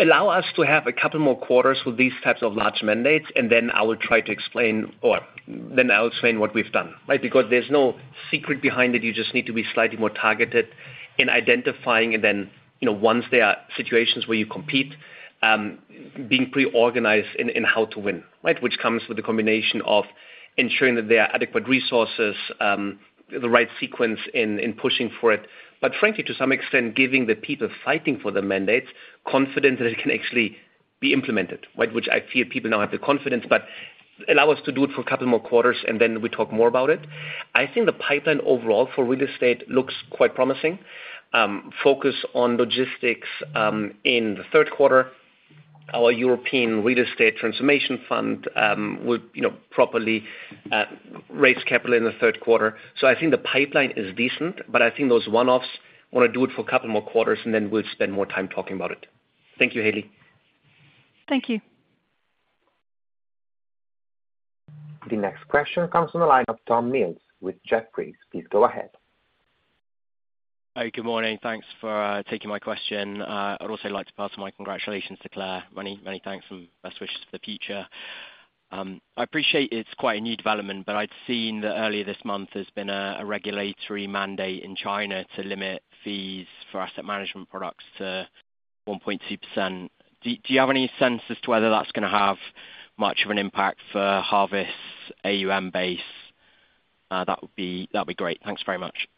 Allow us to have a couple more quarters with these types of large mandates, and then I will try to explain, or then I'll explain what we've done, right? Because there's no secret behind it. You just need to be slightly more targeted in identifying, and then, you know, once there are situations where you compete, being pre-organized in how to win, right? Which comes with a combination of ensuring that there are adequate resources, the right sequence in pushing for it. Frankly, to some extent, giving the people fighting for the mandates confidence that it can actually be implemented, right? I feel people now have the confidence, but allow us to do it for a couple more quarters, and then we talk more about it. I think the pipeline overall for real estate looks quite promising. Focus on logistics in Q3. Our European Real Estate Transformation Fund will, you know, properly raise capital in the third quarter. I think the pipeline is decent, but I think those one-offs, want to do it for a couple more quarters, and then we'll spend more time talking about it. Thank you, Hayley. Thank you. The next question comes from the line of Tom Mills with Jefferies. Please go ahead. Hi, good morning. Thanks for taking my question. I'd also like to pass my congratulations to Claire. Many thanks and best wishes for the future. I appreciate it's quite a new development, but I'd seen that earlier this month there's been a regulatory mandate in China to limit fees for asset management products to 1.2%. Do you have any sense as to whether that's gonna have much of an impact for Harvest AUM base? That would be, that'd be great. Thanks very much.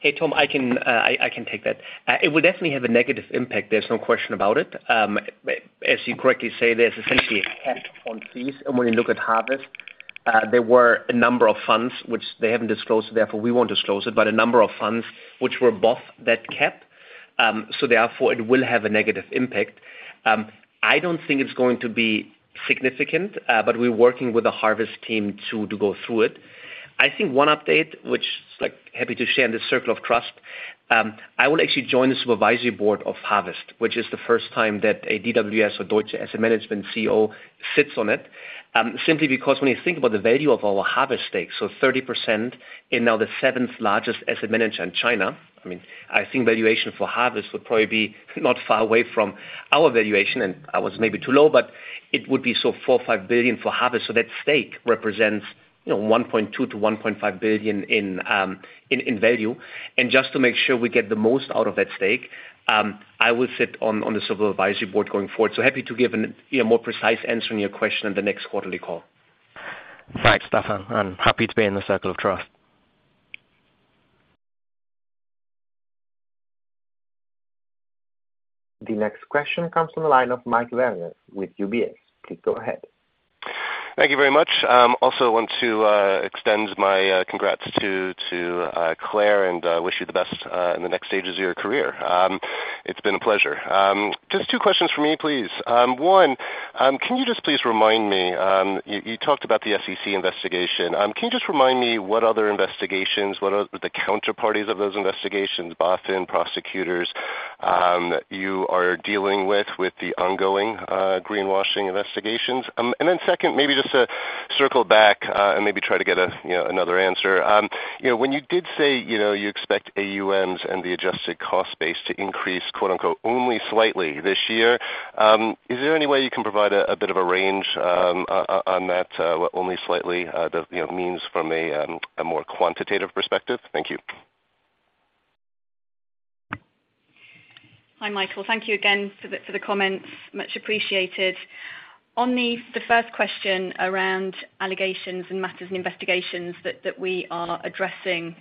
Hey, Tom, I can take that. It will definitely have a negative impact, there's no question about it. As you correctly say, there's essentially a cap on fees, and when you look at Harvest, there were a number of funds which they haven't disclosed, therefore, we won't disclose it, but a number of funds which were above that cap. Therefore it will have a negative impact. I don't think it's going to be significant, but we're working with the Harvest team to go through it. I think one update which, like, happy to share in the circle of trust, I will actually join the supervisory board of Harvest, which is the first time that a DWS or Deutsche Asset Management CEO sits on it. Simply because when you think about the value of our Harvest stake, 30% in now the seventh largest asset manager in China, I think valuation for Harvest would probably be not far away from our valuation, and I was maybe too low, but it would be 4 billion to 5 billion for Harvest. That stake represents, you know, 1.2 billion to 1.5 billion in value. Just to make sure we get the most out of that stake, I will sit on the supervisory board going forward. Happy to give, you know, more precise answer on your question in the next quarterly call. Thanks, Stefan, and happy to be in the circle of trust. The next question comes from the line of Michael Werner with UBS. Please go ahead. Thank you very much. Also want to extend my congrats to Claire, and wish you the best in the next stages of your career. It's been a pleasure. Just two questions for me, please. One, can you just please remind me, you talked about the SEC investigation. Can you just remind me what other investigations, what are the counterparties of those investigations, Boston prosecutors, you are dealing with the ongoing greenwashing investigations? Second, maybe just to circle back and maybe try to get a, you know, another answer. you know, when you did say, you know, you expect AUMs and the adjusted cost base to increase, quote, unquote, "Only slightly this year," is there any way you can provide a bit of a range on that, what only slightly, you know, means from a more quantitative perspective? Thank you. Hi, Michael. Thank you again for the comments. Much appreciated. On the first question around allegations and matters and investigations that we are addressing,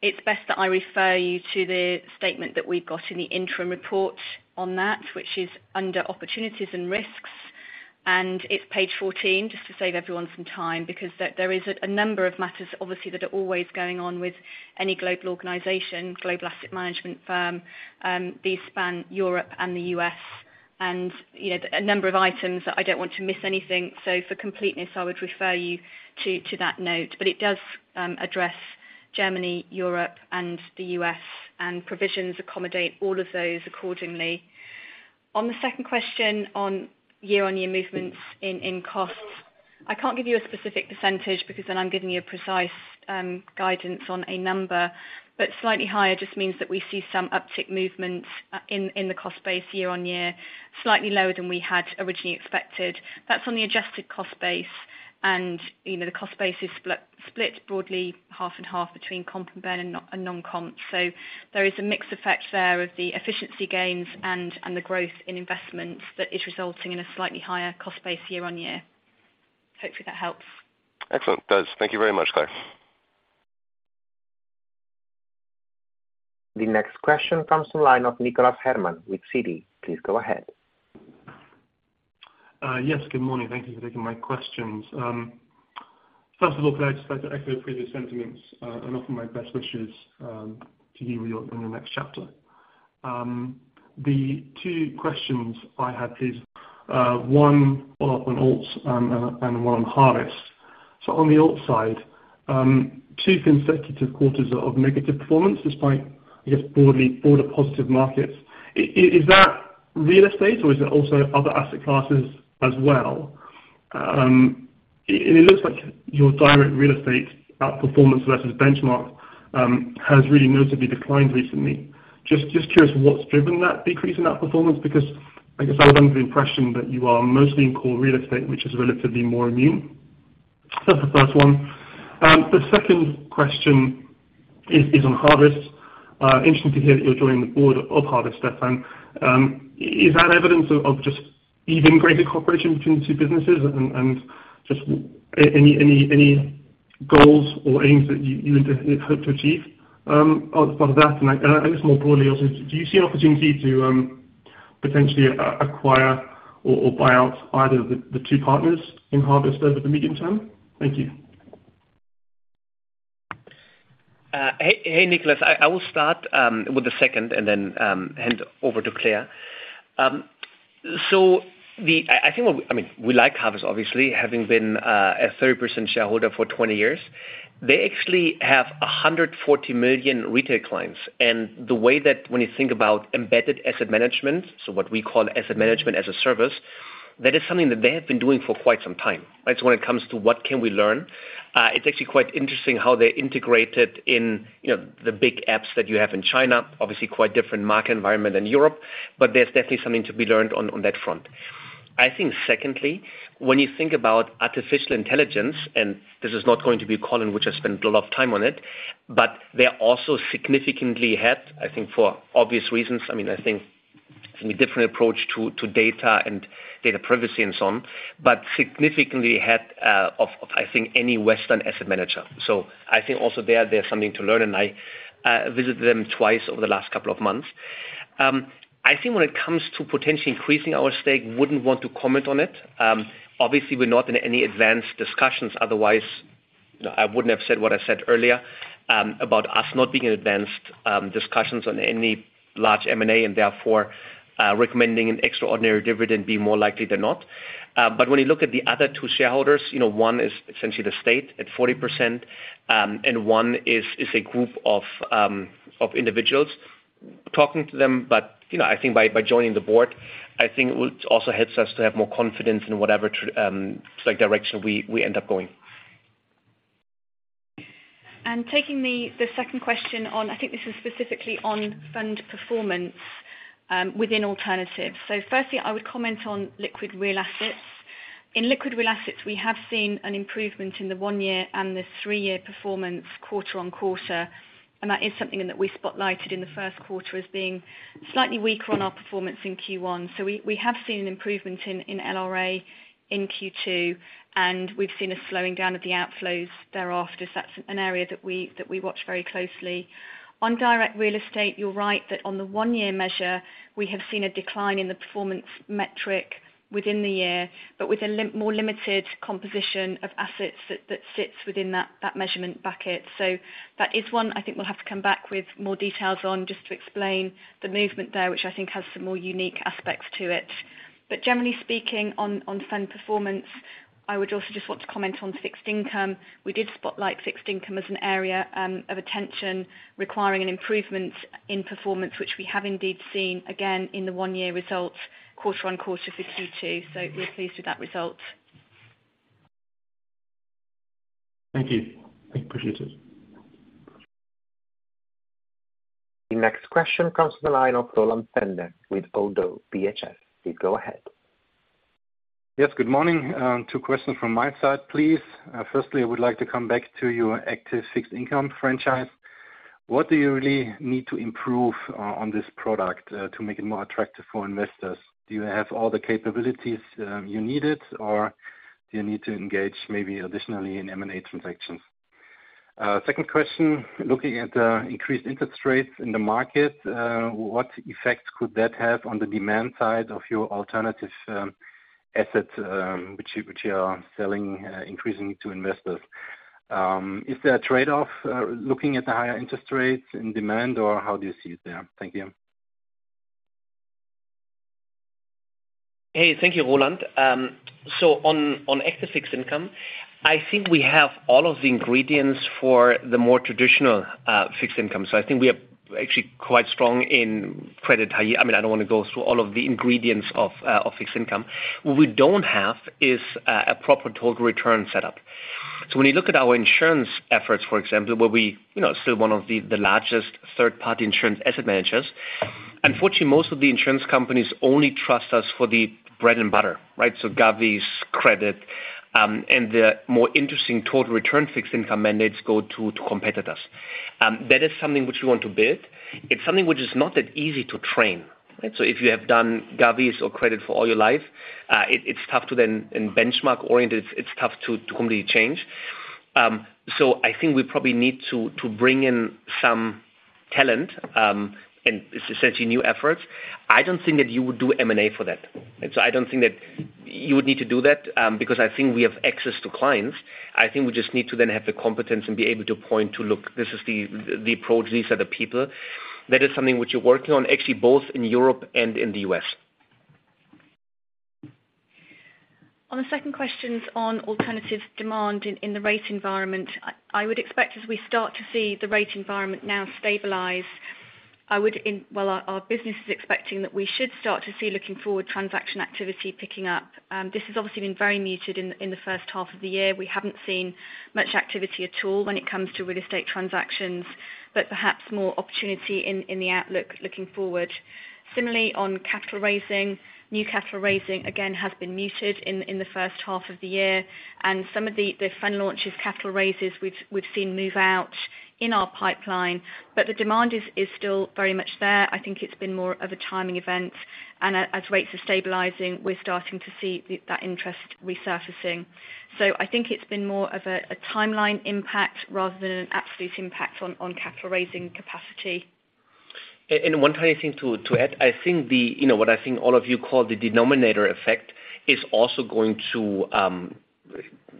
it's best that I refer you to the statement that we've got in the Interim Report on that, which is under Opportunities and Risks, and it's page 14, just to save everyone some time, because there is a number of matters, obviously, that are always going on with any global organization, global asset management firm. These span Europe and the US, and, you know, a number of items that I don't want to miss anything. For completeness, I would refer you to that note. It does address Germany, Europe, and the US, and provisions accommodate all of those accordingly. On the second question on year on year movements in costs, I can't give you a specific percentage because then I'm giving you a precise guidance on a number. Slightly higher just means that we see some uptick movement in the cost base year on year, slightly lower than we had originally expected. That's on the adjusted cost base, and, you know, the cost base is split broadly 50/50 between comp and var and non-comp. There is a mixed effect there of the efficiency gains and the growth in investments that is resulting in a slightly higher cost base year on year. Hopefully that helps. Excellent. It does. Thank you very much, Claire. The next question comes from the line of Nicholas Herman with Citi. Please go ahead. Yes, good morning. Thank you for taking my questions. First of all, can I just to echo the previous sentiments and offer my best wishes to you in your next chapter. The two questions I had is one on alts and one on Harvest. On the alt side, two consecutive quarters of negative performance, despite broader positive markets. Is that real estate or is it also other asset classes as well? It looks like your direct real estate outperformance versus benchmark has really noticeably declined recently. Just curious, what's driven that decrease in that performance? I was under the impression that you are mostly in core real estate, which is relatively more immune. That's the first one. The second question is on Harvest. interesting to hear that you're joining the board of Harvest, Stefan, is that evidence of just even greater cooperation between the two businesses and just any goals or aims that you would hope to achieve as part of that? I guess more broadly also, do you see an opportunity to potentially acquire or buy out either the two partners in Harvest over the medium term? Thank you. Hey, hey, Nicholas. I will start with the second and then hand over to Claire. I mean, we like Harvest, obviously, having been a 30% shareholder for 20 years. They actually have 140 million retail clients. The way that when you think about embedded asset management, so what we call asset management as a service, that is something that they have been doing for quite some time, right? When it comes to what can we learn, it's actually quite interesting how they integrated in, you know, the big apps that you have in China. Obviously, quite different market environment than Europe, but there's definitely something to be learned on that front. I think secondly, when you think about artificial intelligence, and this is not going to be Colin, which I spent a lot of time on it, but they're also significantly ahead, I think, for obvious reasons. I mean, I think a different approach to data and data privacy and so on, but significantly ahead, of, I think, any Western asset manager. I think also there's something to learn, and I visited them twice over the last couple of months. I think when it comes to potentially increasing our stake, wouldn't want to comment on it. Obviously, we're not in any advanced discussions otherwise, I wouldn't have said what I said earlier, about us not being in advanced, discussions on any large M&A, and therefore, recommending an extraordinary dividend be more likely than not. When you look at the other two shareholders, you know, one is essentially the state at 40%, and one is a group of individuals. Talking to them, but, you know, I think by joining the board, I think it will also helps us to have more confidence in whatever like, direction we end up going. Taking the second question on, I think this is specifically on fund performance within alternatives. Firstly, I would comment on liquid real assets. In liquid real assets, we have seen an improvement in the one year and the three year performance quarter on quarter. That is something that we spotlighted in the Q1 as being slightly weaker on our performance in Q1. We have seen an improvement in LRA in Q2. We've seen a slowing down of the outflows thereafter. That's an area that we watch very closely. On direct real estate, you're right, that on the one year measure, we have seen a decline in the performance metric within the year, with a more limited composition of assets that sits within that measurement bucket. That is one I think we'll have to come back with more details on, just to explain the movement there, which I think has some more unique aspects to it. Generally speaking, on fund performance, I would also just want to comment on fixed income. We did spotlight fixed income as an area of attention, requiring an improvement in performance, which we have indeed seen again in the one-year results, quarter on quarter for Q2. We're pleased with that result. Thank you. I appreciate it. The next question comes from the line of Roland Fender with ODDO BHF. Please go ahead. Yes, good morning. Two questions from my side, please. Firstly, I would like to come back to your active fixed income franchise. What do you really need to improve on this product to make it more attractive for investors? Do you have all the capabilities you needed, or do you need to engage, maybe additionally in M&A transactions? Second question, looking at the increased interest rates in the market, what effects could that have on the demand side of your alternative assets, which you are selling, increasingly to investors? Is there a trade-off, looking at the higher interest rates in demand, or how do you see it there? Thank you. Hey, thank you, Roland. On active fixed income, I think we have all of the ingredients for the more traditional fixed income. I think we are actually quite strong in credit. I mean, I don't want to go through all of the ingredients of fixed income. What we don't have is a proper total return setup. When you look at our insurance efforts, for example, where we, you know, are still one of the largest third-party insurance asset managers. Unfortunately, most of the insurance companies only trust us for the bread and butter, right? Govies, credit, and the more interesting total return fixed income mandates go to competitors. That is something which we want to build. It's something which is not that easy to train, right? If you have done govies or credit for all your life, it's tough to then, and benchmark oriented, it's tough to completely change. I think we probably need to bring in some talent, and this is essentially new efforts. I don't think that you would do M&A for that. I don't think that you would need to do that, because I think we have access to clients. I think we just need to then have the competence and be able to point to, "Look, this is the approach, these are the people." That is something which we're working on, actually, both in Europe and in the US On the second questions on alternatives demand in the rate environment, I would expect as we start to see the rate environment now stabilize, well, our business is expecting that we should start to see looking forward transaction activity picking up. This has obviously been very muted in the H1 of the year. We haven't seen much activity at all when it comes to real estate transactions, but perhaps more opportunity in the outlook looking forward. Similarly, on capital raising, new capital raising, again, has been muted in the H1 of the year, and some of the fund launches, capital raises, we've seen move out in our pipeline, but the demand is still very much there. I think it's been more of a timing event. as rates are stabilizing, we're starting to see that interest resurfacing. I think it's been more of a timeline impact rather than an absolute impact on capital raising capacity. One tiny thing to add, I think the, you know, what I think all of you call the denominator effect, is also going to,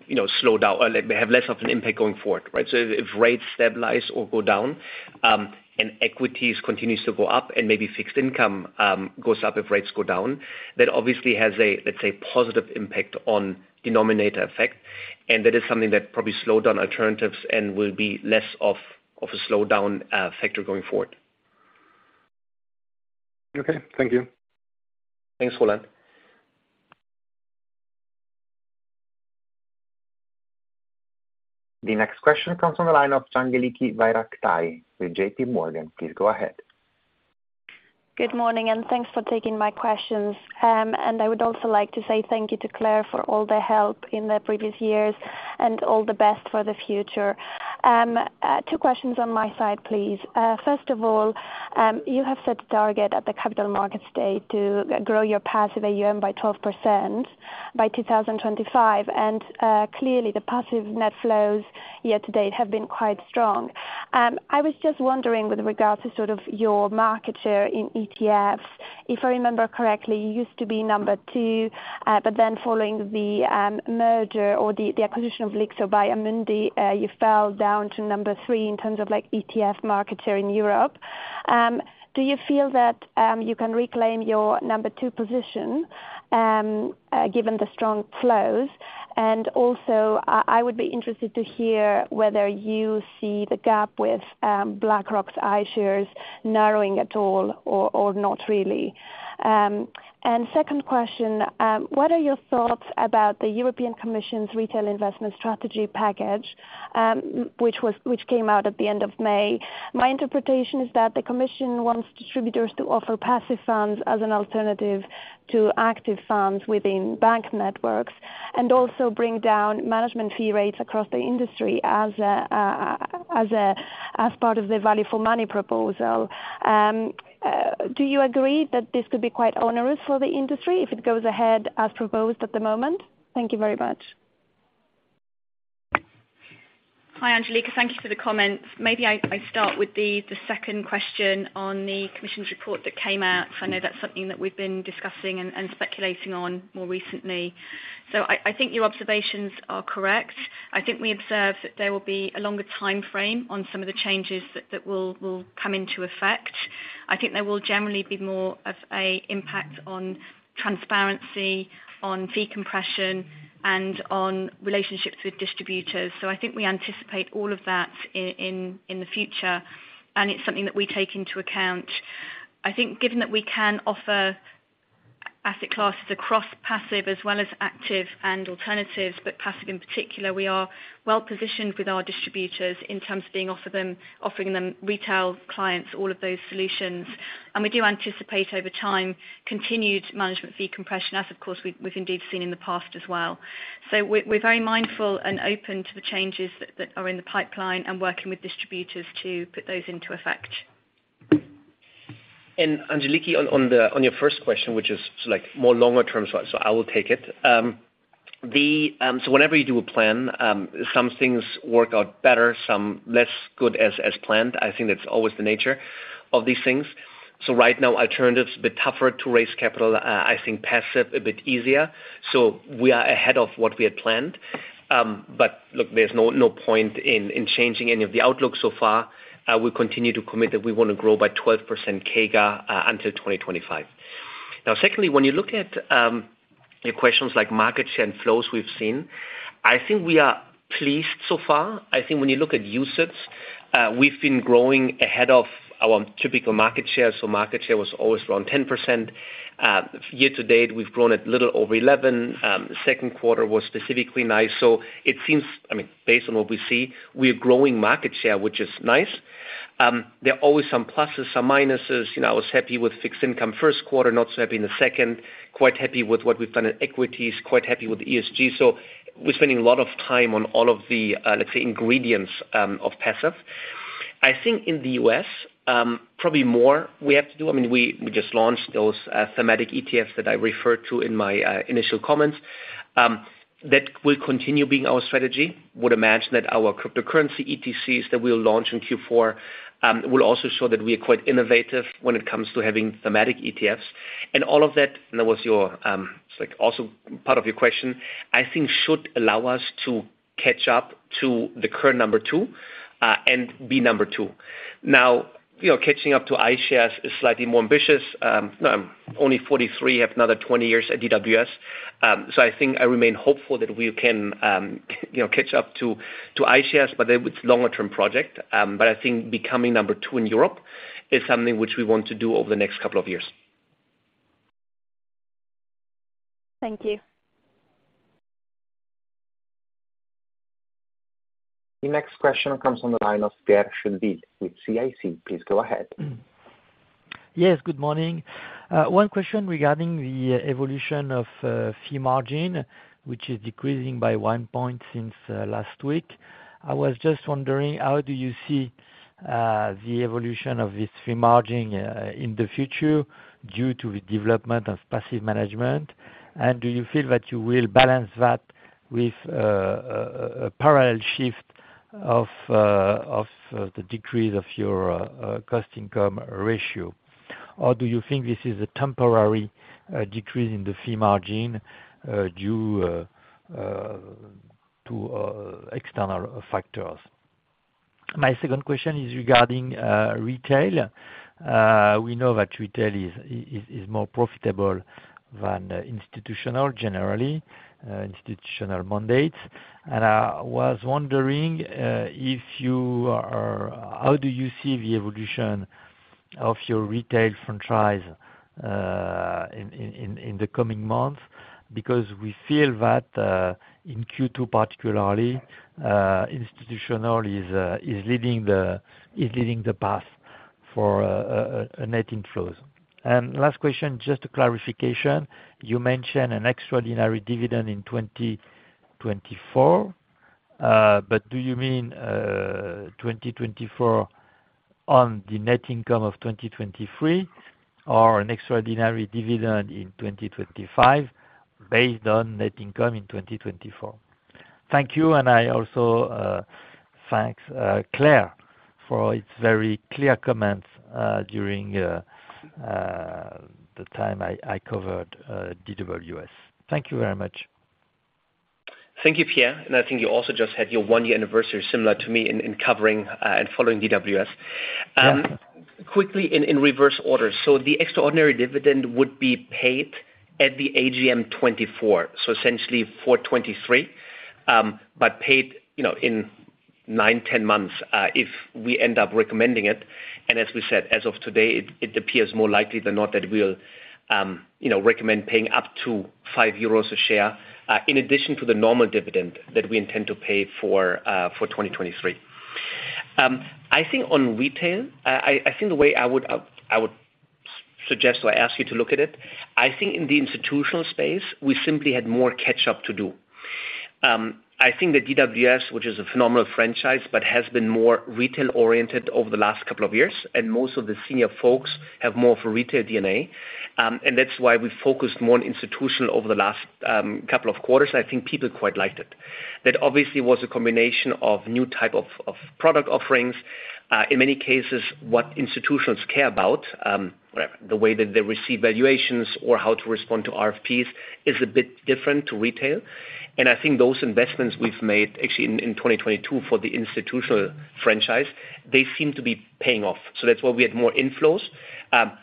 you know, slow down or like, have less of a slowdown factor going forward, right? If rates stabilize or go down, and equities continues to go up and maybe fixed income, goes up, if rates go down, that obviously has a, let's say, positive impact on denominator effect. That is something that probably slowed down alternatives and will be less of a slowdown factor going forward. Okay. Thank you. Thanks, Roland. The next question comes from the line of Angeliki Bairaktari with JPMorgan. Please go ahead. Good morning, and thanks for taking my questions. I would also like to say thank you to Claire for all the help in the previous years, and all the best for the future. Two questions on my side, please. First of all, you have set a target at the Capital Markets Day to grow your passive AUM by 12% by 2025, and clearly the passive net flows year to date have been quite strong. I was just wondering, with regards to sort of your market share in ETFs, if I remember correctly, you used to be number two, following the merger or the acquisition of Lyxor by Amundi, you fell down to number three in terms of, like, ETF market share in Europe. Do you feel that you can reclaim your number two position given the strong flows? Also, I would be interested to hear whether you see the gap with BlackRock's iShares narrowing at all or not really. Second question, what are your thoughts about the European Commission's retail investment strategy package which came out at the end of May? My interpretation is that the Commission wants distributors to offer passive funds as an alternative to active funds within bank networks, also bring down management fee rates across the industry as part of the Value for Money Proposal. Do you agree that this could be quite onerous for the industry if it goes ahead as proposed at the moment? Thank you very much. Hi, Angeliki, Thank you for the comments. Maybe I start with the second question on the commission's report that came out, because I know that's something that we've been discussing and speculating on more recently. I think your observations are correct. I think we observed that there will be a longer timeframe on some of the changes that will come into effect. I think there will generally be more of an impact on transparency, on fee compression, and on relationships with distributors. I think we anticipate all of that in the future, and it's something that we take into account. I think given that we can offer asset classes across passive as well as active and alternatives, but passive in particular, we are well positioned with our distributors in terms of offering them retail clients, all of those solutions. We do anticipate, over time, continued management fee compression as of course, we've indeed seen in the past as well. We're very mindful and open to the changes that are in the pipeline and working with distributors to put those into effect. Angeliki, on your first question, which is like more longer term, so I will take it. Whenever you do a plan, some things work out better, some less good as planned. I think that's always the nature of these things. Right now, alternatives a bit tougher to raise capital, I think passive a bit easier, so we are ahead of what we had planned. Look, there's no point in changing any of the outlook so far. We continue to commit that we want to grow by 12% KGaA until 2025. Secondly, when you look at your questions like market share and flows we've seen, I think we are pleased so far. I think when you look at usage, we've been growing ahead of our typical market share, so market share was always around 10%. Year to date, we've grown at little over 11. Q2 was specifically nice, I mean, based on what we see, we are growing market share, which is nice. There are always some pluses, some minuses. You know, I was happy with fixed income Q1, not so happy in Q2. Quite happy with what we've done in equities, quite happy with ESG. We're spending a lot of time on all of the, let's say, ingredients of passive. I think in the US, probably more we have to do. I mean, we just launched those thematic ETFs that I referred to in my initial comments. That will continue being our strategy. Would imagine that our cryptocurrency ETCs that we'll launch in Q4 will also show that we are quite innovative when it comes to having thematic ETFs. All of that, and that was your, like, also part of your question, I think should allow us to catch up to the current number two and be number two. Now, you know, catching up to iShares is slightly more ambitious. I'm only 43, have another 20 years at DWS. So I think I remain hopeful that we can, you know, catch up to iShares, but it's a longer term project. I think becoming number two in Europe is something which we want to do over the next couple of years. Thank you. The next question comes from the line of Pierre Schulze with CIC. Please go ahead. Yes, good morning. One question regarding the evolution of fee margin, which is decreasing by one point since last week. I was just wondering, how do you see the evolution of this fee margin in the future due to the development of passive management? Do you feel that you will balance that with a parallel shift of the decrease of your cost-income ratio, or do you think this is a temporary decrease in the fee margin due to external factors? My second question is regarding retail. We know that retail is more profitable than institutional, generally, institutional mandates. I was wondering, how do you see the evolution of your retail franchise? In the coming months, because we feel that in Q2, particularly, institutional is leading the path for net inflows. Last question, just a clarification. You mentioned an extraordinary dividend in 2024, but do you mean 2024 on the net income of 2023, or an extraordinary dividend in 2025 based on net income in 2024? Thank you. I also thank Claire for its very clear comments during the time I covered DWS. Thank you very much. Thank you, Pierre. I think you also just had your one year anniversary, similar to me, in covering, and following DWS. Yeah. Quickly in reverse order, the extraordinary dividend would be paid at the AGM 2024, essentially for 2023, paid, you know, in nine, 10 months, if we end up recommending it. As we said, as of today, it appears more likely than not that we'll, you know, recommend paying up to 5 euros a share, in addition to the normal dividend that we intend to pay for 2023. I think on retail, I think the way I would suggest or ask you to look at it, I think in the institutional space, we simply had more catch up to do. I think that DWS, which is a phenomenal franchise, but has been more retail-oriented over the last couple of years, and most of the senior folks have more of a retail DNA. That's why we focused more on institutional over the last couple of quarters, and I think people quite liked it. That obviously was a combination of new type of product offerings. In many cases, what institutions care about, the way that they receive valuations or how to respond to RFPs is a bit different to retail. I think those investments we've made actually in 2022 for the institutional franchise, they seem to be paying off. That's why we had more inflows.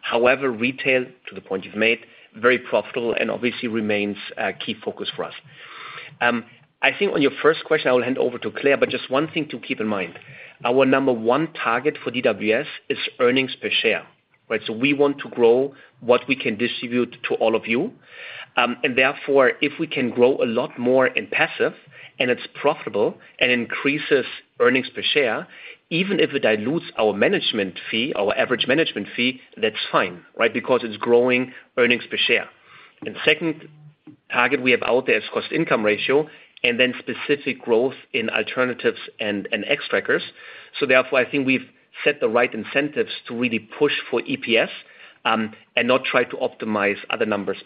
However, retail, to the point you've made, very profitable and obviously remains a key focus for us. I think on your first question, I will hand over to Claire, but just one thing to keep in mind, our number one target for DWS is earnings per share, right? We want to grow what we can distribute to all of you. Therefore, if we can grow a lot more in passive and it's profitable and increases earnings per share, even if it dilutes our management fee, our average management fee, that's fine, right? Because it's growing earnings per share. Second target we have out there is cost-income ratio and then specific growth in alternatives and Xtrackers. Therefore, I think we've set the right incentives to really push for EPS, and not try to optimize other numbers.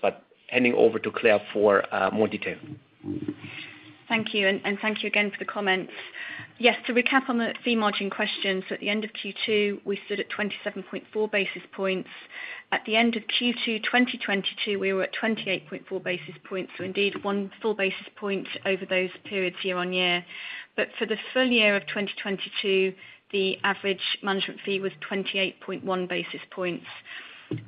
Handing over to Claire for more detail. Thank you, and thank you again for the comments. Yes, to recap on the fee margin questions, at the end of Q2, we stood at 27.4 basis points. At the end of Q2, 2022, we were at 28.4 basis points, indeed one full basis point over those periods year on year. For the full year of 2022, the average management fee was 28.1 basis points.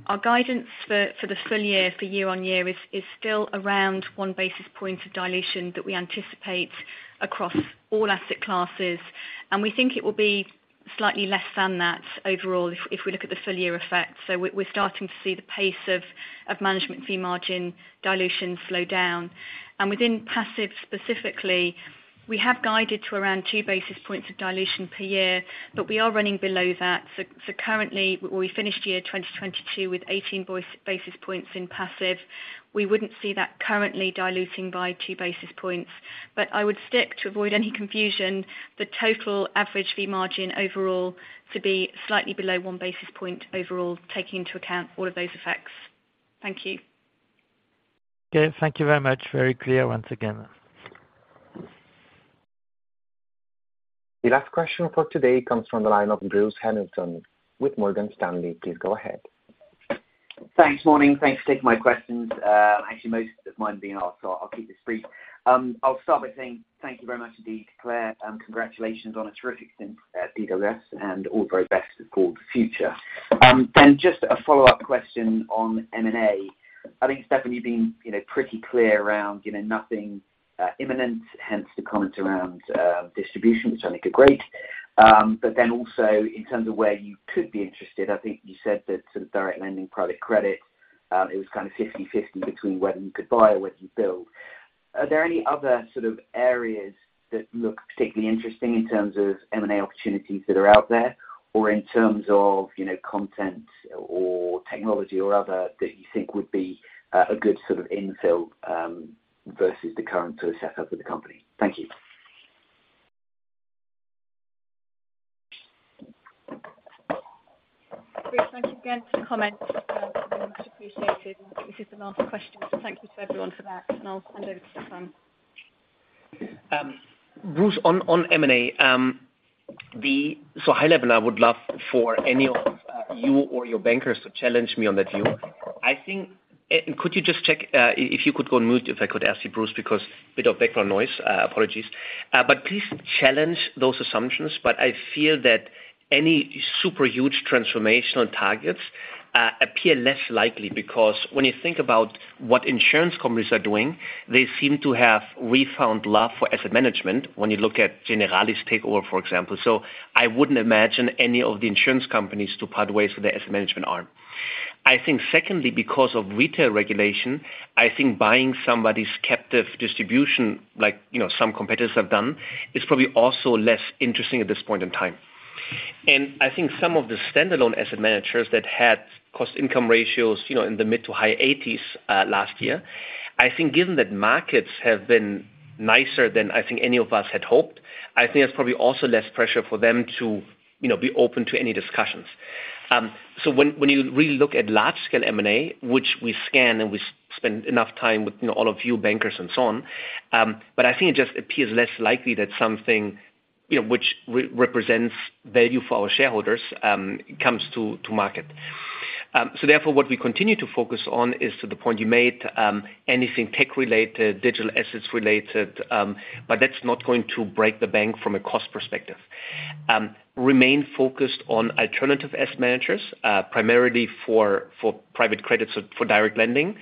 Our guidance for the full year for year on year is still around one basis point of dilution that we anticipate across all asset classes, and we think it will be slightly less than that overall if we look at the full year effect. We're starting to see the pace of management fee margin dilution slow down. Within passive specifically, we have guided to around two basis points of dilution per year, but we are running below that. Currently, we finished year 2022 with 18 basis points in passive. We wouldn't see that currently diluting by two basis points. I would stick to avoid any confusion, the total average fee margin overall to be slightly below one basis point overall, taking into account all of those effects. Thank you. Okay, thank you very much. Very clear once again. The last question for today comes from the line of Bruce Hamilton with Morgan Stanley. Please go ahead. Thanks. Morning. Thanks for taking my questions. Actually, most of mine have been asked, so I'll keep this brief. I'll start by saying thank you very much indeed, Claire, and congratulations on a terrific stint at DWS and all the very best for the future. Just a follow-up question on M&A. I think, Stefan, you've been, you know, pretty clear around, you know, nothing imminent, hence the comment around distribution, which I think are great. Also in terms of where you could be interested, I think you said that sort of direct lending, private credit, it was kind of 50/50 between whether you could buy or whether you build. Are there any other sort of areas that look particularly interesting in terms of M&A opportunities that are out there, or in terms of, you know, content or technology or other, that you think would be a good sort of infill versus the current sort of setup with the company? Thank you. Bruce, thank you again for the comments. Much appreciated. This is the last question. Thank you to everyone for that. I'll hand over to Stefan. Bruce, on M&A. High level, I would love for any of you or your bankers to challenge me on that view. I think, could you just check, if you could go on mute, if I could ask you, Bruce, because a bit of background noise. Apologies. Please challenge those assumptions, but I feel that any super huge transformational targets appear less likely because when you think about what insurance companies are doing, they seem to have refound love for asset management when you look at Generali's takeover, for example. I wouldn't imagine any of the insurance companies to part ways with their asset management arm. Secondly, because of retail regulation, I think buying somebody's captive distribution, like, you know, some competitors have done, is probably also less interesting at this point in time. I think some of the standalone asset managers that had cost income ratios, you know, in the mid to high 80s, last year, I think given that markets have been nicer than I think any of us had hoped, I think there's probably also less pressure for them to, you know, be open to any discussions. When you really look at large scale M&A, which we scan and we spend enough time with, you know, all of you bankers and so on, but I think it just appears less likely that something, you know, which represents value for our shareholders, comes to market. Therefore, what we continue to focus on is to the point you made, anything tech-related, digital assets-related, but that's not going to break the bank from a cost perspective. remain focused on alternative asset managers, primarily for private credits, for direct lending.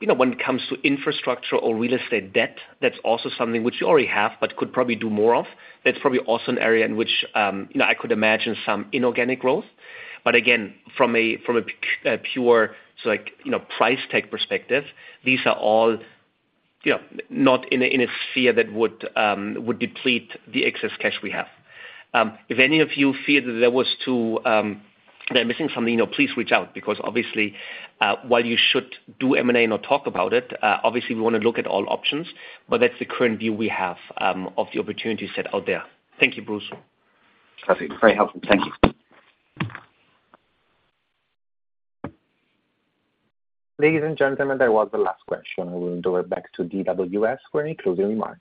You know, when it comes to infrastructure or real estate debt, that's also something which you already have, but could probably do more of. That's probably also an area in which, you know, I could imagine some inorganic growth. Again, from a, from a, pure so like, you know, price tag perspective, these are all, you know, not in a, in a sphere that would deplete the excess cash we have. If any of you feel that I'm missing something, you know, please reach out, because obviously, while you should do M&A, not talk about it, obviously we wanna look at all options, that's the current view we have of the opportunity set out there. Thank you, Bruce. Perfect. Very helpful. Thank you. Ladies and gentlemen, that was the last question. We will hand over back to DWS for any closing remarks.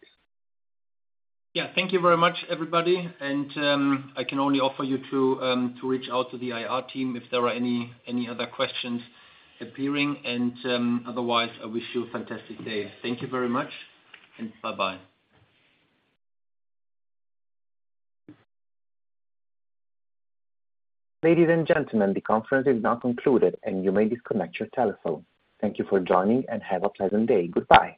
Thank you very much, everybody. I can only offer you to reach out to the IR team if there are any other questions appearing. Otherwise, I wish you a fantastic day. Thank you very much, and bye. Ladies and gentlemen, the conference is now concluded, and you may disconnect your telephone. Thank you for joining, and have a pleasant day. Goodbye.